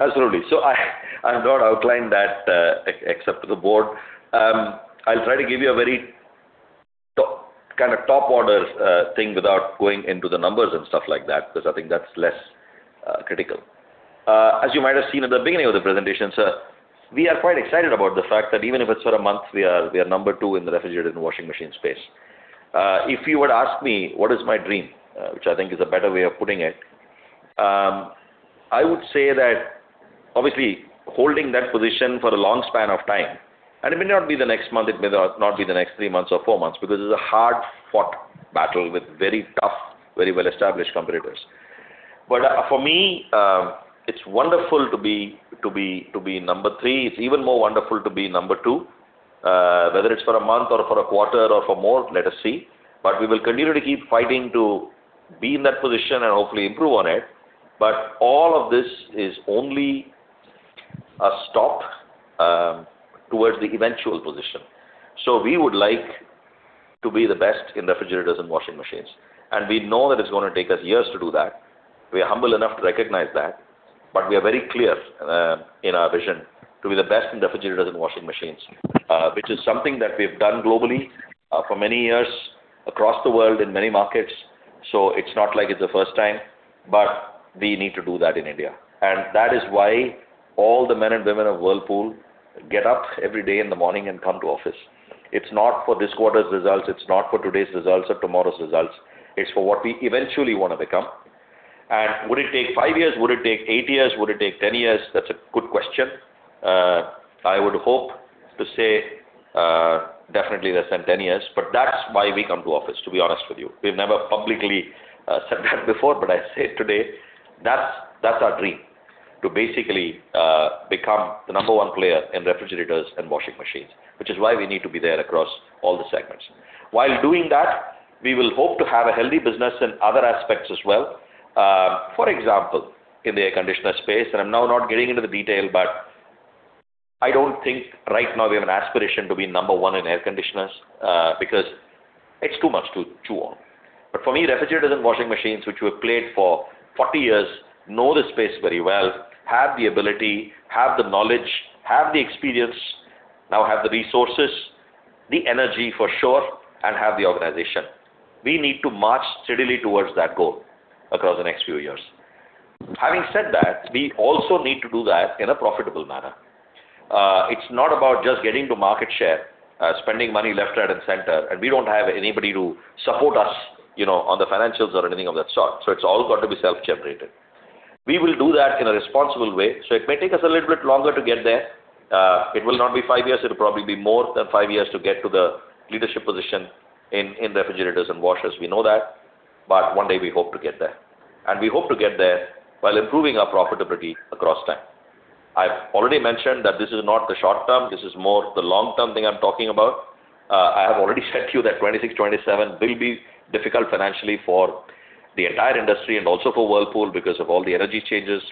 Absolutely. I have not outlined that, except to the Board. I'll try to give you a very top order thing without going into the numbers and stuff like that, because I think that's less critical. As you might have seen at the beginning of the presentation, sir, we are quite excited about the fact that even if it's for a month, we are number two in the refrigerated and washing machine space. If you were to ask me what is my dream, which I think is a better way of putting it, I would say that, obviously, holding that position for a long span of time, and it may not be the next month, it may not be the next three months or four months, because this is a hard-fought battle with very tough, very well-established competitors. For me, it's wonderful to be number three. It's even more wonderful to be number two, whether it's for a month or for a quarter or for more, let us see. We will continue to keep fighting to be in that position and hopefully improve on it. All of this is only a stop towards the eventual position. We would like to be the best in refrigerators and washing machines, and we know that it's going to take us years to do that. We are humble enough to recognize that. We are very clear, in our vision, to be the best in refrigerators and washing machines, which is something that we've done globally for many years across the world in many markets. It's not like it's the first time, but we need to do that in India. That is why all the men and women of Whirlpool get up every day in the morning and come to office. It's not for this quarter's results, it's not for today's results or tomorrow's results. It's for what we eventually want to become. Would it take five years? Would it take eight years? Would it take 10 years? That's a good question. I would hope to say definitely less than 10 years, but that's why we come to office, to be honest with you. We've never publicly said that before, but I say it today. That's our dream, to basically become the number one player in refrigerators and washing machines, which is why we need to be there across all the segments. While doing that, we will hope to have a healthy business in other aspects as well. For example, in the air conditioner space, and I'm now not getting into the detail, but I don't think right now we have an aspiration to be number one in air conditioners, because it's too much to chew on. For me, refrigerators and washing machines, which we have played for 40 years, know the space very well, have the ability, have the knowledge, have the experience, now have the resources, the energy for sure, and have the organization. We need to march steadily towards that goal across the next few years. Having said that, we also need to do that in a profitable manner. It's not about just getting to market share, spending money left, right and center, and we don't have anybody to support us on the financials or anything of that sort. It's all got to be self-generated. We will do that in a responsible way. It may take us a little bit longer to get there. It will not be five years. It'll probably be more than five years to get to the leadership position in refrigerators and washers. We know that. One day we hope to get there. We hope to get there while improving our profitability across time. I've already mentioned that this is not the short term. This is more the long term thing I'm talking about. I have already said to you that 2026, 2027 will be difficult financially for the entire industry and also for Whirlpool because of all the energy changes,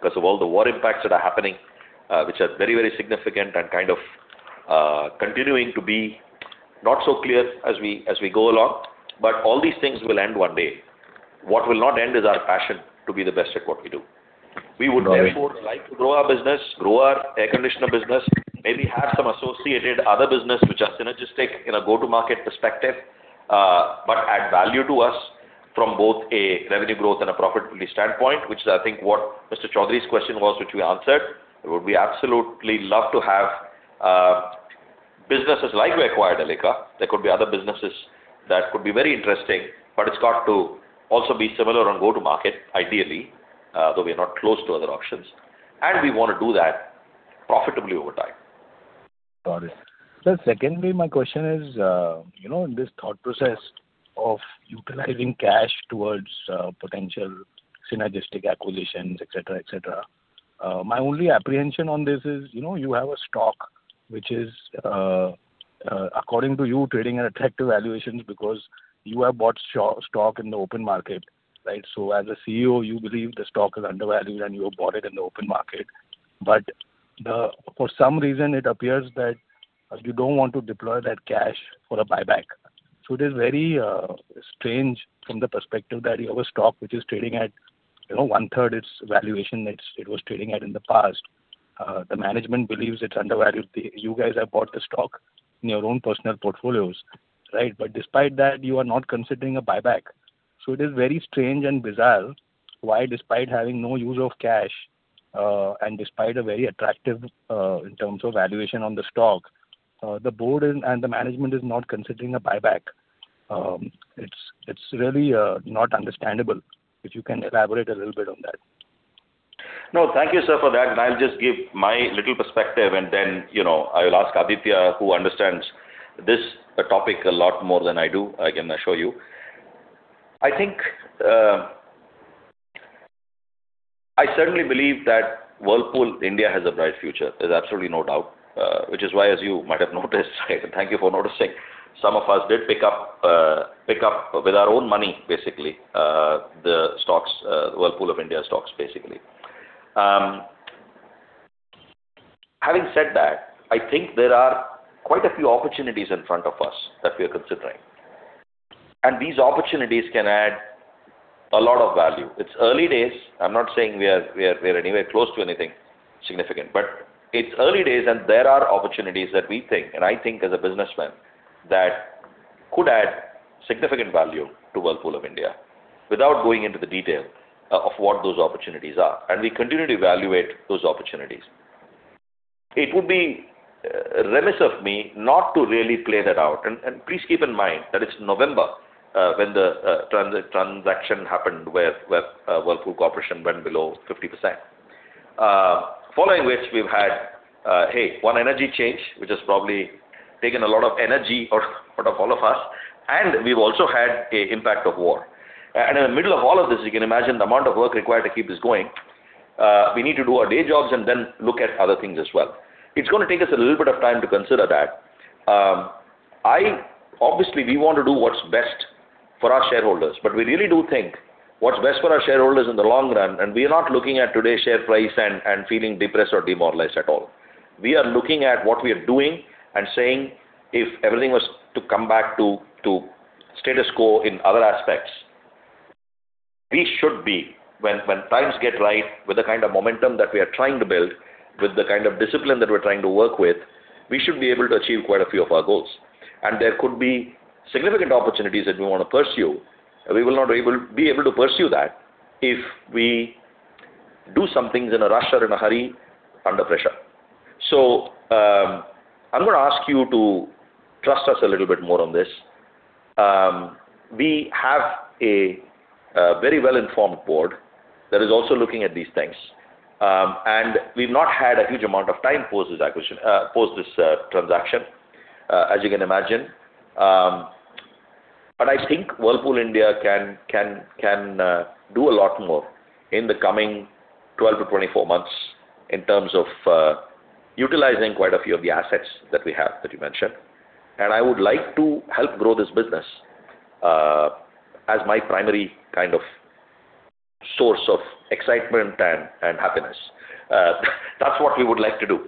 because of all the war impacts that are happening, which are very significant and kind of continuing to be not so clear as we go along. All these things will end one day. What will not end is our passion to be the best at what we do. We would therefore like to grow our business, grow our air conditioner business, maybe have some associated other business which are synergistic in a go-to-market perspective, but add value to us from both a revenue growth and a profitability standpoint, which is, I think what Mr. Chaudhary's question was, which we answered. We would absolutely love to have businesses like we acquired Elica. There could be other businesses that could be very interesting, but it's got to also be similar on go-to-market, ideally, though we are not closed to other options. We want to do that profitably over time. Got it. Sir, secondly, my question is, in this thought process of utilizing cash towards potential synergistic acquisitions, et cetera. My only apprehension on this is, you have a stock which is, according to you, trading at attractive valuations because you have bought stock in the open market. Right? As a CEO, you believe the stock is undervalued and you have bought it in the open market. For some reason, it appears that you don't want to deploy that cash for a buyback. It is very strange from the perspective that you have a stock which is trading at 1/3 its valuation that it was trading at in the past. The management believes it's undervalued. You guys have bought the stock in your own personal portfolios. Right? Despite that, you are not considering a buyback. It is very strange and bizarre why despite having no use of cash, and despite a very attractive in terms of valuation on the stock, the board and the management is not considering a buyback. It is really not understandable. If you can elaborate a little bit on that. No, thank you, sir, for that. I'll just give my little perspective and then I will ask Aditya, who understands this topic a lot more than I do, I can assure you. I certainly believe that Whirlpool of India has a bright future. There's absolutely no doubt, which is why, as you might have noticed, thank you for noticing, some of us did pick up with our own money, basically, the Whirlpool of India stocks. Having said that, I think there are quite a few opportunities in front of us that we are considering, and these opportunities can add a lot of value. It's early days. I'm not saying we are anywhere close to anything significant, but it's early days and there are opportunities that we think, and I think as a businessman, that could add significant value to Whirlpool of India, without going into the detail of what those opportunities are, and we continue to evaluate those opportunities. It would be remiss of me not to really play that out. Please keep in mind that it's November when the transaction happened where Whirlpool Corporation went below 50%. Following which we've had one energy change, which has probably taken a lot of energy out of all of us, and we've also had an impact of war. In the middle of all of this, you can imagine the amount of work required to keep this going. We need to do our day jobs and then look at other things as well. It's going to take us a little bit of time to consider that. Obviously, we want to do what's best for our shareholders, but we really do think what's best for our shareholders in the long run, and we are not looking at today's share price and feeling depressed or demoralized at all. We are looking at what we are doing and saying, if everything was to come back to status quo in other aspects, when times get right with the kind of momentum that we are trying to build, with the kind of discipline that we're trying to work with, we should be able to achieve quite a few of our goals. There could be significant opportunities that we want to pursue, and we will not be able to pursue that if we do some things in a rush or in a hurry, under pressure. I'm going to ask you to trust us a little bit more on this. We have a very well-informed board that is also looking at these things. We've not had a huge amount of time post this transaction, as you can imagine. I think Whirlpool of India can do a lot more in the coming 12-24 months in terms of utilizing quite a few of the assets that we have, that you mentioned. I would like to help grow this business as my primary source of excitement and happiness. That's what we would like to do.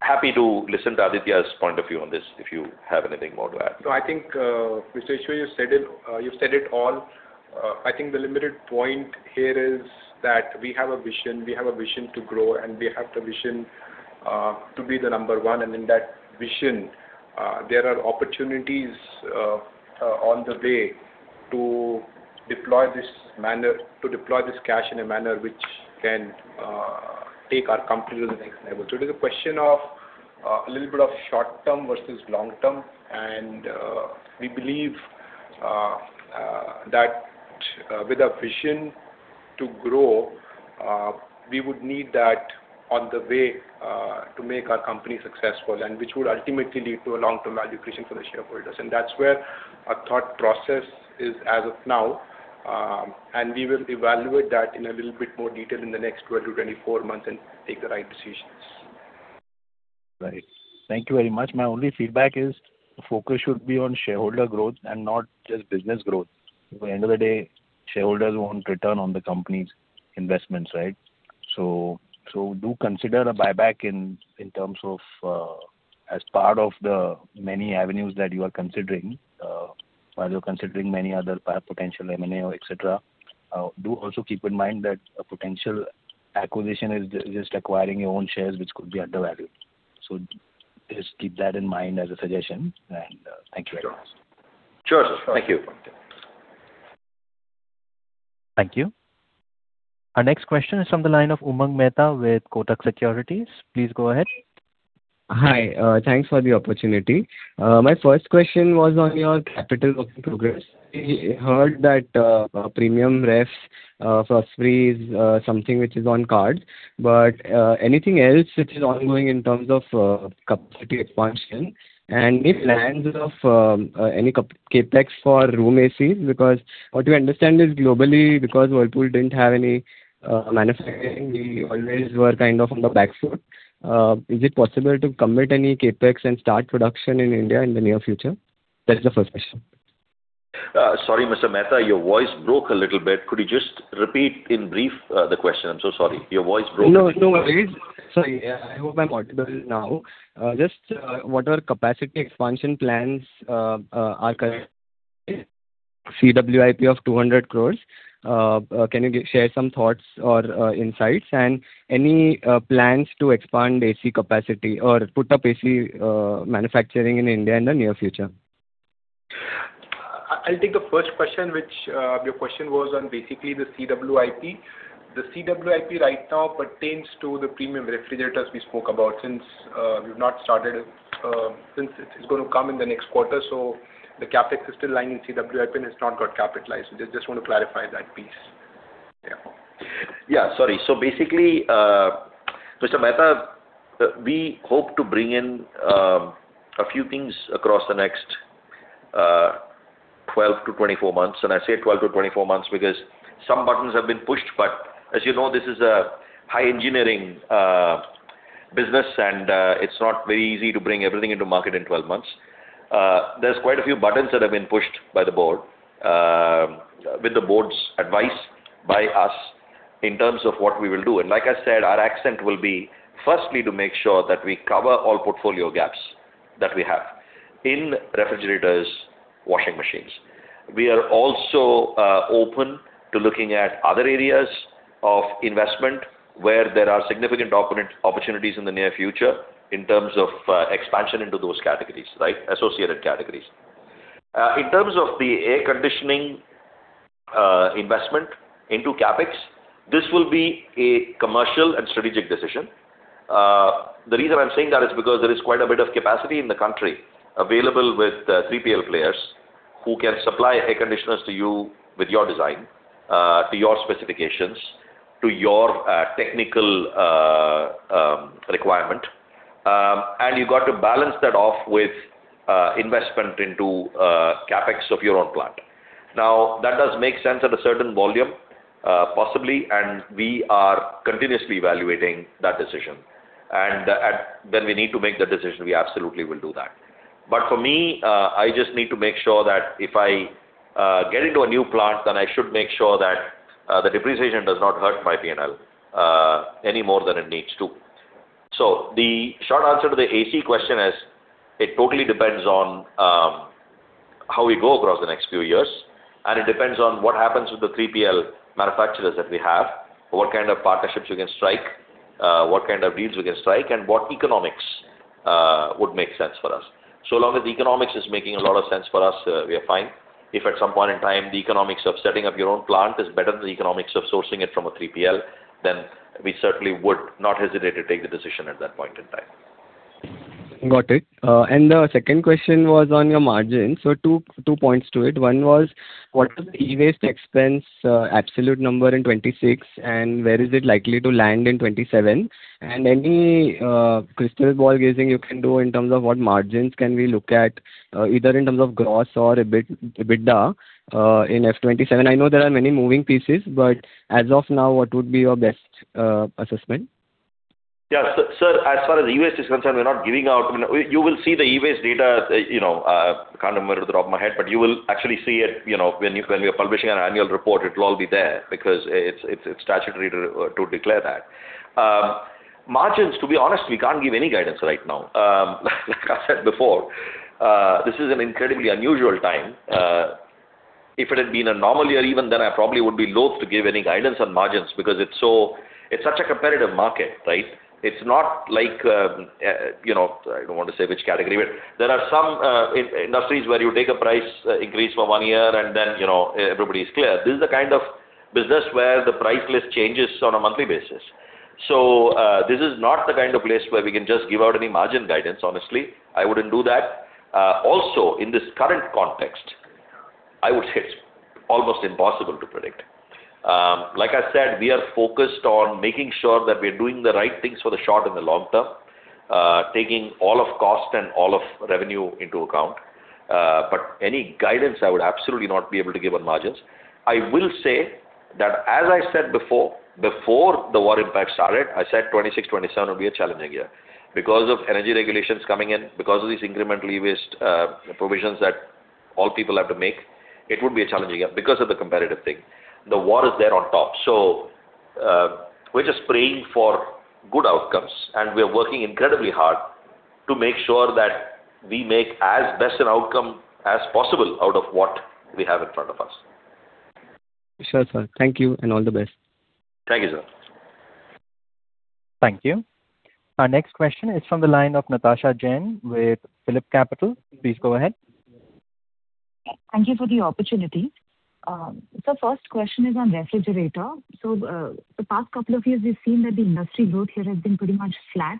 Happy to listen to Aditya's point of view on this, if you have anything more to add. I think, Mr. Eswar, you've said it all. I think the limited point here is that we have a vision. We have a vision to grow, and we have the vision to be the number one. In that vision, there are opportunities on the way to deploy this cash in a manner which can take our company to the next level. It is a question of a little bit of short term versus long term, and we believe that with our vision to grow, we would need that on the way to make our company successful, and which would ultimately lead to a long-term value creation for the shareholders. That's where our thought process is as of now, and we will evaluate that in a little bit more detail in the next 12-24 months and take the right decisions. Right. Thank you very much. My only feedback is the focus should be on shareholder growth and not just business growth. At the end of the day, shareholders want return on the company's investments, right? Do consider a buyback as part of the many avenues that you are considering, while you're considering many other potential M&A, et cetera. Do also keep in mind that a potential acquisition is just acquiring your own shares, which could be undervalued. Just keep that in mind as a suggestion, and thank you very much. Sure. Thank you. Thank you. Our next question is from the line of Umang Mehta with Kotak Securities. Please go ahead. Hi. Thanks for the opportunity. My first question was on your capital work in progress. I heard that premium ref, frost free is something which is on card, but anything else which is ongoing in terms of capacity expansion? Any plans of any CapEx for room ACs? What we understand is globally, because Whirlpool didn't have any manufacturing, we always were kind of on the back foot. Is it possible to commit any CapEx and start production in India in the near future? That is the first question. Sorry, Mr. Mehta, your voice broke a little bit. Could you just repeat in brief the question? I'm so sorry. Your voice broke a little bit. No worries. Sorry. I hope I'm audible now. What are capacity expansion plans are currently CWIP of 200 crore. Can you share some thoughts or insights, and any plans to expand AC capacity or put up AC manufacturing in India in the near future? I'll take the first question, which your question was on basically the CWIP. The CWIP right now pertains to the premium refrigerators we spoke about. It's going to come in the next quarter, so the CapEx is still lying in CWIP and it's not got capitalized. I just want to clarify that piece. Yeah. Yeah, sorry. Basically, Mr. Mehta, we hope to bring in a few things across the next 12 to 24 months. I say 12 to 24 months because some buttons have been pushed. As you know, this is a high engineering business and it's not very easy to bring everything into market in 12 months. There's quite a few buttons that have been pushed by the board, with the board's advice by us in terms of what we will do. Like I said, our accent will be firstly to make sure that we cover all portfolio gaps that we have in refrigerators, washing machines. We are also open to looking at other areas of investment where there are significant opportunities in the near future in terms of expansion into those categories, associated categories. In terms of the air conditioning investment into CapEx, this will be a commercial and strategic decision. The reason I'm saying that is because there is quite a bit of capacity in the country available with 3PL players who can supply air conditioners to you with your design, to your specifications, to your technical requirement. You've got to balance that off with investment into CapEx of your own plant. Now, that does make sense at a certain volume, possibly, and we are continuously evaluating that decision. When we need to make the decision, we absolutely will do that. For me, I just need to make sure that if I get into a new plant, then I should make sure that the depreciation does not hurt my P&L any more than it needs to. The short answer to the AC question is, it totally depends on how we go across the next few years, and it depends on what happens with the 3PL manufacturers that we have, what kind of partnerships we can strike, what kind of deals we can strike, and what economics would make sense for us. Long as the economics is making a lot of sense for us, we are fine. If at some point in time, the economics of setting up your own plant is better than the economics of sourcing it from a 3PL, then we certainly would not hesitate to take the decision at that point in time. Got it. The second question was on your margin. Two points to it. One was, what is the e-waste expense absolute number in 2026, and where is it likely to land in 2027? Any crystal ball gazing you can do in terms of what margins can we look at, either in terms of gross or EBITDA in FY 2027? I know there are many moving pieces, but as of now, what would be your best assessment? Yeah. Sir, as far as e-waste is concerned, we're not giving out. You will see the e-waste data, I can't remember off the top of my head, you will actually see it when we are publishing our annual report. It will all be there because it's statutory to declare that. Margins, to be honest, we can't give any guidance right now. I said before, this is an incredibly unusual time. If it had been a normal year even, I probably would be loath to give any guidance on margins because it's such a competitive market, right? It's not like, I don't want to say which category, but there are some industries where you take a price increase for one year and then everybody's clear. This is the kind of business where the price list changes on a monthly basis. This is not the kind of place where we can just give out any margin guidance, honestly. I wouldn't do that. In this current context, I would say it's almost impossible to predict. I said, we are focused on making sure that we are doing the right things for the short and the long term, taking all of cost and all of revenue into account. Any guidance, I would absolutely not be able to give on margins. I will say that, as I said before the war impact started, I said 2026, 2027 will be a challenging year. Because of energy regulations coming in, because of these incremental e-waste provisions that all people have to make, it would be a challenging year because of the competitive thing. The war is there on top. We're just praying for good outcomes, and we're working incredibly hard to make sure that we make as best an outcome as possible out of what we have in front of us. Sure, sir. Thank you, and all the best. Thank you, sir. Thank you. Our next question is from the line of Natasha Jain with PhillipCapital. Please go ahead. Thank you for the opportunity. Sir, first question is on refrigerator. The past couple of years, we've seen that the industry growth here has been pretty much flat,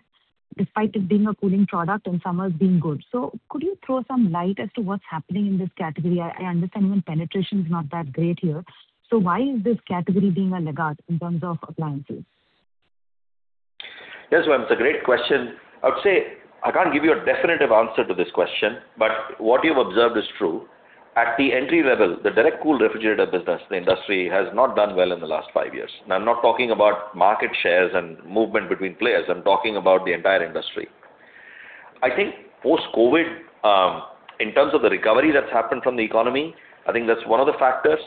despite it being a cooling product and summers being good. Could you throw some light as to what's happening in this category? I understand even penetration is not that great here. Why is this category being a laggard in terms of appliances? Yes, ma'am. It is a great question. I would say I cannot give you a definitive answer to this question, but what you have observed is true. At the entry level, the direct cool refrigerator business, the industry has not done well in the last five years. Now, I am not talking about market shares and movement between players. I am talking about the entire industry. I think post-COVID, in terms of the recovery that has happened from the economy, I think that is one of the factors.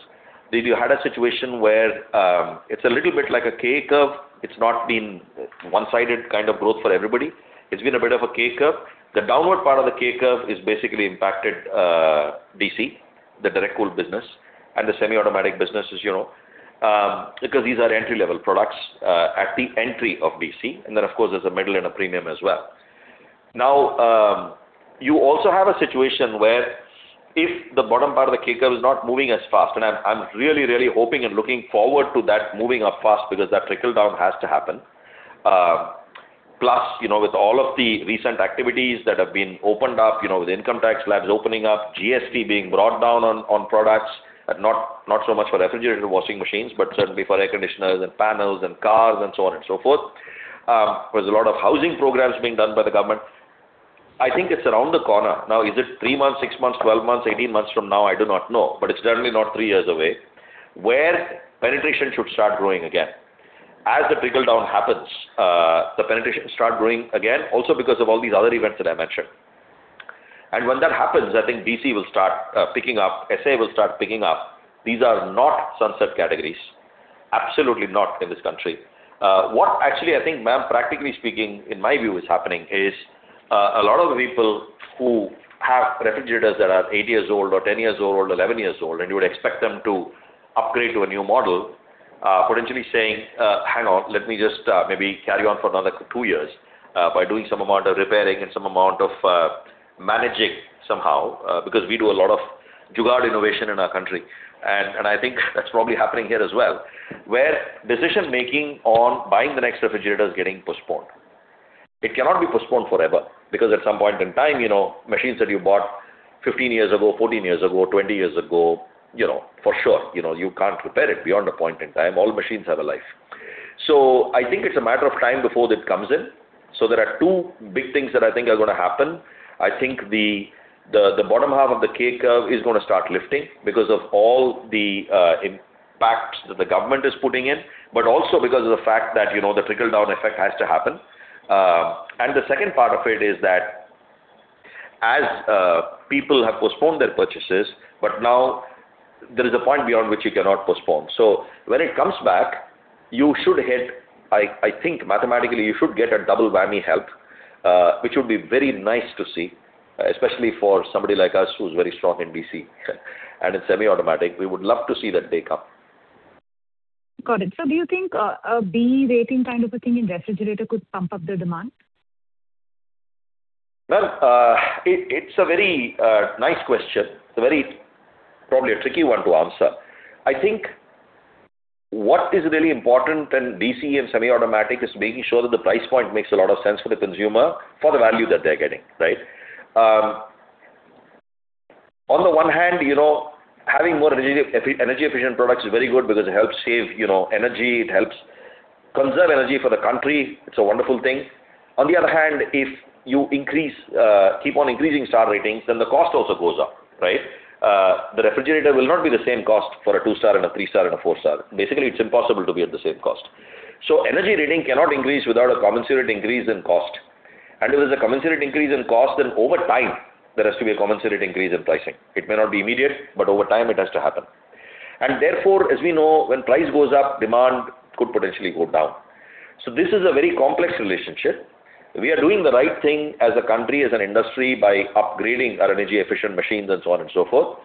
We had a situation where it is a little bit like a K curve. It is not been one-sided kind of growth for everybody. It has been a bit of a K curve. The downward part of the K curve has basically impacted DC, the Direct Cool business, and the semi-automatic business, because these are entry-level products at the entry of DC. Then, of course, there's a middle and a premium as well. You also have a situation where if the bottom part of the K curve is not moving as fast, I'm really hoping and looking forward to that moving up fast because that trickle-down has to happen. Plus, with all of the recent activities that have been opened up, with income tax slabs opening up, GST being brought down on products, not so much for refrigerators and washing machines, but certainly for air conditioners and panels and cars and so on and so forth. There's a lot of housing programs being done by the government. I think it's around the corner. Is it three months, six months, 12 months, 18 months from now? I do not know, it's certainly not three years away, where penetration should start growing again. As the trickle-down happens, the penetration start growing again, also because of all these other events that I mentioned. When that happens, I think DC will start picking up, SA will start picking up. These are not sunset categories. Absolutely not in this country. What actually, I think, ma'am, practically speaking, in my view is happening is a lot of the people who have refrigerators that are eight years old or 10 years old or 11 years old, and you would expect them to upgrade to a new model, potentially saying, "Hang on, let me just maybe carry on for another two years by doing some amount of repairing and some amount of managing somehow," because we do a lot of jugaad innovation in our country. I think that's probably happening here as well, where decision-making on buying the next refrigerator is getting postponed. It cannot be postponed forever because at some point in time, machines that you bought 15 years ago, 14 years ago, 20 years ago, for sure, you can't repair it beyond a point in time. All machines have a life. I think it's a matter of time before that comes in. There are two big things that I think are going to happen. I think the bottom half of the K curve is going to start lifting because of all the impact that the government is putting in, but also because of the fact that the trickle-down effect has to happen. The second part of it is that as people have postponed their purchases, but now there is a point beyond which you cannot postpone. When it comes back, you should get, I think mathematically, you should get a double whammy help, which would be very nice to see, especially for somebody like us who is very strong in DC and in semi-automatic. We would love to see that day come. Got it. Do you think a BEE rating kind of a thing in refrigerator could pump up the demand? Well, it's a very nice question. It's probably a tricky one to answer. I think what is really important in DC and semi-automatic is making sure that the price point makes a lot of sense for the consumer for the value that they're getting, right? On the one hand, having more energy-efficient products is very good because it helps save energy. It helps conserve energy for the country. It's a wonderful thing. On the other hand, if you keep on increasing star ratings, then the cost also goes up. Right? The refrigerator will not be the same cost for a two star and a three star and a four star. Basically, it's impossible to be at the same cost. Energy rating cannot increase without a commensurate increase in cost. If there's a commensurate increase in cost, then over time, there has to be a commensurate increase in pricing. It may not be immediate, but over time it has to happen. As we know, when price goes up, demand could potentially go down. This is a very complex relationship. We are doing the right thing as a country, as an industry, by upgrading our energy-efficient machines and so on and so forth.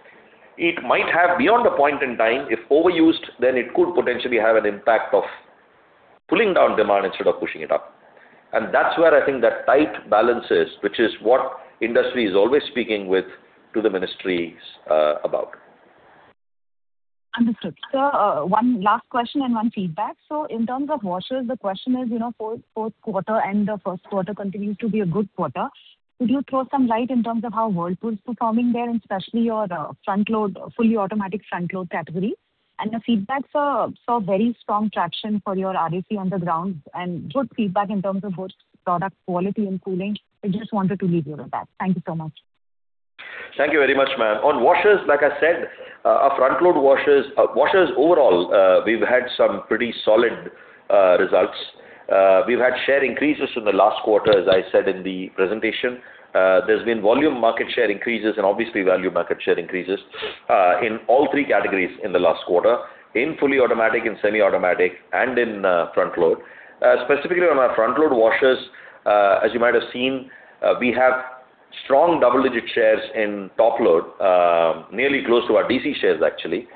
It might have, beyond a point in time, if overused, then it could potentially have an impact of pulling down demand instead of pushing it up. Where I think that tight balance is, which is what industry is always speaking with to the ministries about. Understood. Sir, one last question and one feedback. In terms of washers, the question is, Q4 and the first quarter continues to be a good quarter. Could you throw some light in terms of how Whirlpool is performing there, and especially your fully automatic front load category? The feedback, sir, saw very strong traction for your RAC on the ground and good feedback in terms of both product quality and cooling. I just wanted to leave you with that. Thank you so much. Thank you very much, ma'am. On washers, like I said, washers overall, we've had some pretty solid results. We've had share increases in the last quarter, as I said in the presentation. There's been volume market share increases and obviously value market share increases, in all three categories in the last quarter, in fully automatic and semi-automatic and in front load. Specifically on our front load washers, as you might have seen, we have strong double-digit shares in top load, nearly close to our DC shares, actually.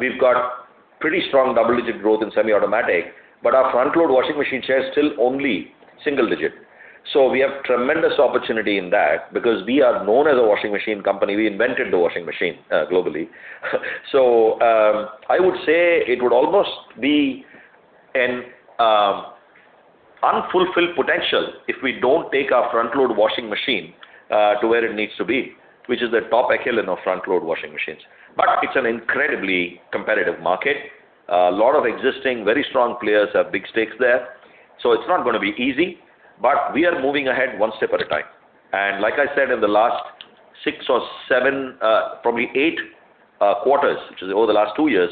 We've got pretty strong double-digit growth in semi-automatic. Our front load washing machine share is still only single digit. We have tremendous opportunity in that because we are known as a washing machine company. We invented the washing machine, globally. I would say it would almost be an unfulfilled potential if we don't take our front load washing machine to where it needs to be, which is the top echelon of front load washing machines. It's an incredibly competitive market. A lot of existing, very strong players have big stakes there, so it's not going to be easy. We are moving ahead one step at a time. Like I said, in the last six or seven, probably eight quarters, which is over the last two years,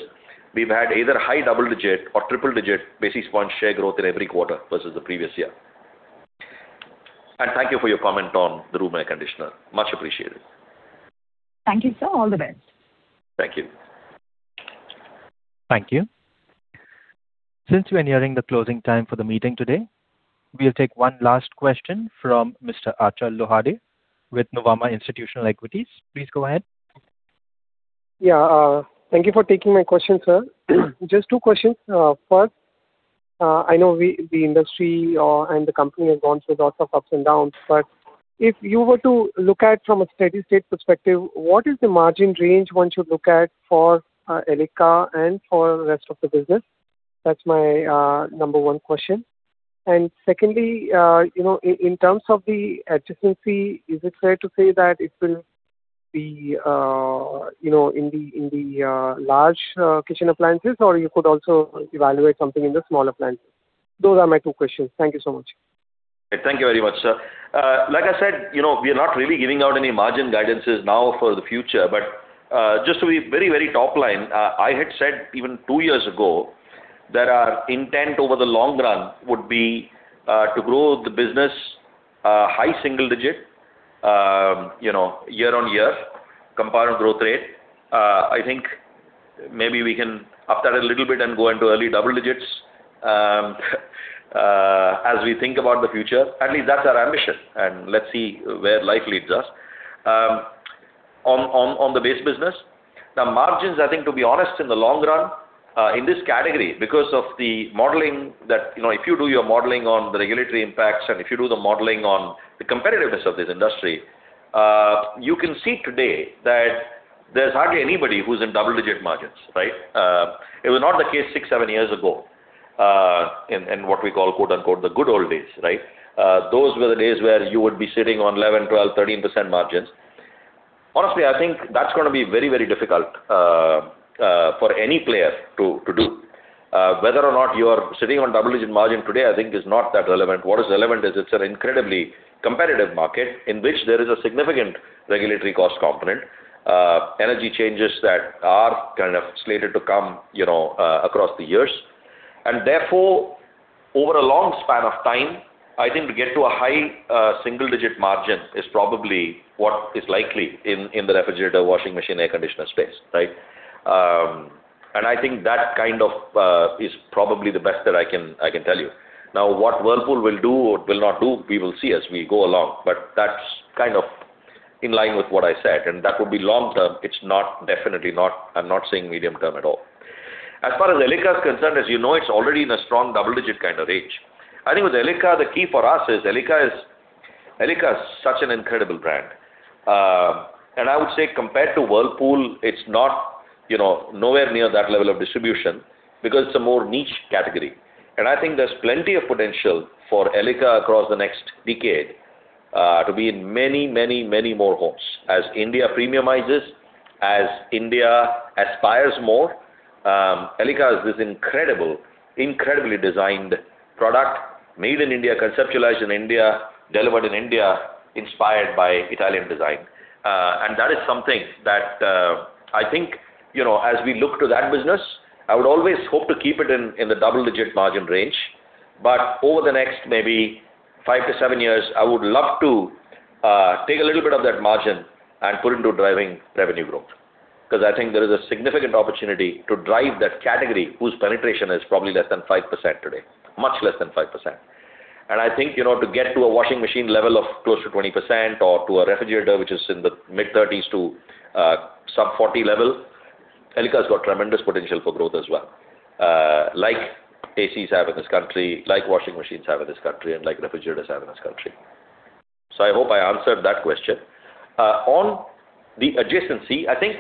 we've had either high double-digit or triple-digit basis point share growth in every quarter versus the previous year. Thank you for your comment on the room air conditioner. Much appreciated. Thank you, sir. All the best. Thank you. Thank you. Since we are nearing the closing time for the meeting today, we will take one last question from Mr. Achal Lohade with Nuvama Institutional Equities. Please go ahead. Yeah. Thank you for taking my question, sir. Just two questions. First, I know the industry and the company has gone through lots of ups and downs, but if you were to look at it from a steady state perspective, what is the margin range 1 should look at for Elica and for the rest of the business? That's my number one question. Secondly, in terms of the adjacency, is it fair to say that it will be in the large kitchen appliances or you could also evaluate something in the smaller appliances? Those are my two questions. Thank you so much. Thank you very much, sir. Like I said, we are not really giving out any margin guidances now for the future. Just to be very top-line, I had said even two years ago that our intent over the long run would be to grow the business high single-digit year-on-year compound growth rate. I think maybe we can up that a little bit and go into early double-digits as we think about the future. At least that's our ambition, and let's see where life leads us. On the base business, the margins, I think, to be honest, in the long run, in this category, because of the modeling that, if you do your modeling on the regulatory impacts and if you do the modeling on the competitiveness of this industry, you can see today that there's hardly anybody who's in double-digit margins, right? It was not the case six, seven years ago, in what we call quote-unquote, "The good old days." Those were the days where you would be sitting on 11, 12, 13% margins. Honestly, I think that's going to be very difficult for any player to do. Whether or not you are sitting on double-digit margin today, I think, is not that relevant. What is relevant is it's an incredibly competitive market in which there is a significant regulatory cost component, energy changes that are kind of slated to come across the years. Therefore, over a long span of time, I think to get to a high single-digit margin is probably what is likely in the refrigerator, washing machine, air conditioner space, right? I think that kind of is probably the best that I can tell you. What Whirlpool will do or will not do, we will see as we go along. That's kind of in line with what I said, and that would be long-term. It's definitely not, I'm not saying medium-term at all. As far as Elica is concerned, as you know, it's already in a strong double-digit kind of range. I think with Elica, the key for us is Elica is such an incredible brand. I would say compared to Whirlpool, it's nowhere near that level of distribution because it's a more niche category. I think there's plenty of potential for Elica across the next decade to be in many more homes. As India premiumizes, as India aspires more, Elica is this incredibly designed product made in India, conceptualized in India, delivered in India, inspired by Italian design. That is something that I think, as we look to that business, I would always hope to keep it in the double-digit margin range. Over the next maybe 5-7 years, I would love to take a little bit of that margin and put into driving revenue growth. I think there is a significant opportunity to drive that category, whose penetration is probably less than 5% today. Much less than 5%. I think to get to a washing machine level of close to 20% or to a refrigerator which is in the mid-30s to sub 40 level, Elica has got tremendous potential for growth as well. Like ACs have in this country, like washing machines have in this country, and like refrigerators have in this country. I hope I answered that question. On the adjacency, I think,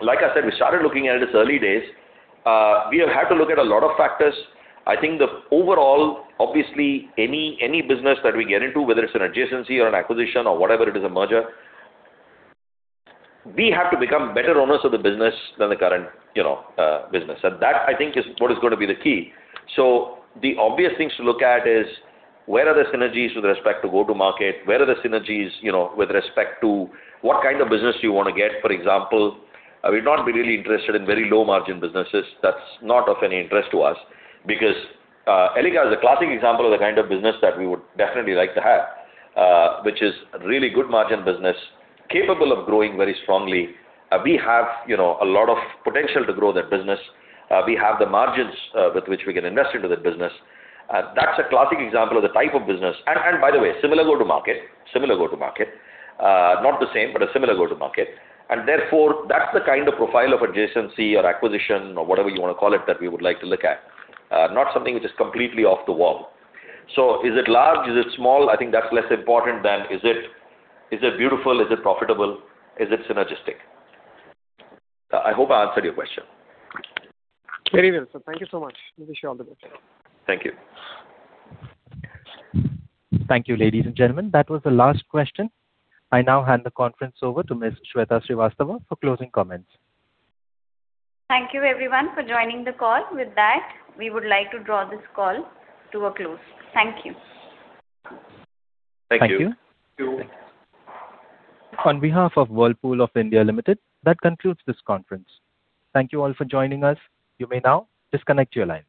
like I said, we started looking at it as early days. We have had to look at a lot of factors. I think the overall, obviously, any business that we get into, whether it is an adjacency or an acquisition or whatever it is, a merger, we have to become better owners of the business than the current business. That I think is what is going to be the key. The obvious things to look at is where are the synergies with respect to go-to-market, where are the synergies with respect to what kind of business you want to get. For example, I will not be really interested in very low margin businesses. That's not of any interest to us because Elica is a classic example of the kind of business that we would definitely like to have, which is really good margin business, capable of growing very strongly. We have a lot of potential to grow that business. We have the margins with which we can invest into that business. That's a classic example of the type of business. By the way, similar go-to-market. Not the same, but a similar go-to-market. Therefore, that's the kind of profile of adjacency or acquisition or whatever you want to call it that we would like to look at. Not something which is completely off the wall. Is it large? Is it small? I think that's less important than is it beautiful? Is it profitable? Is it synergistic? I hope I answered your question. Very well, sir. Thank you so much. Wish you all the best. Thank you. Thank you, ladies and gentlemen. That was the last question. I now hand the conference over to Ms. Sweta Srivastava for closing comments. Thank you everyone for joining the call. With that, we would like to draw this call to a close. Thank you. Thank you. Thank you. On behalf of Whirlpool of India Limited, that concludes this conference. Thank you all for joining us. You may now disconnect your line.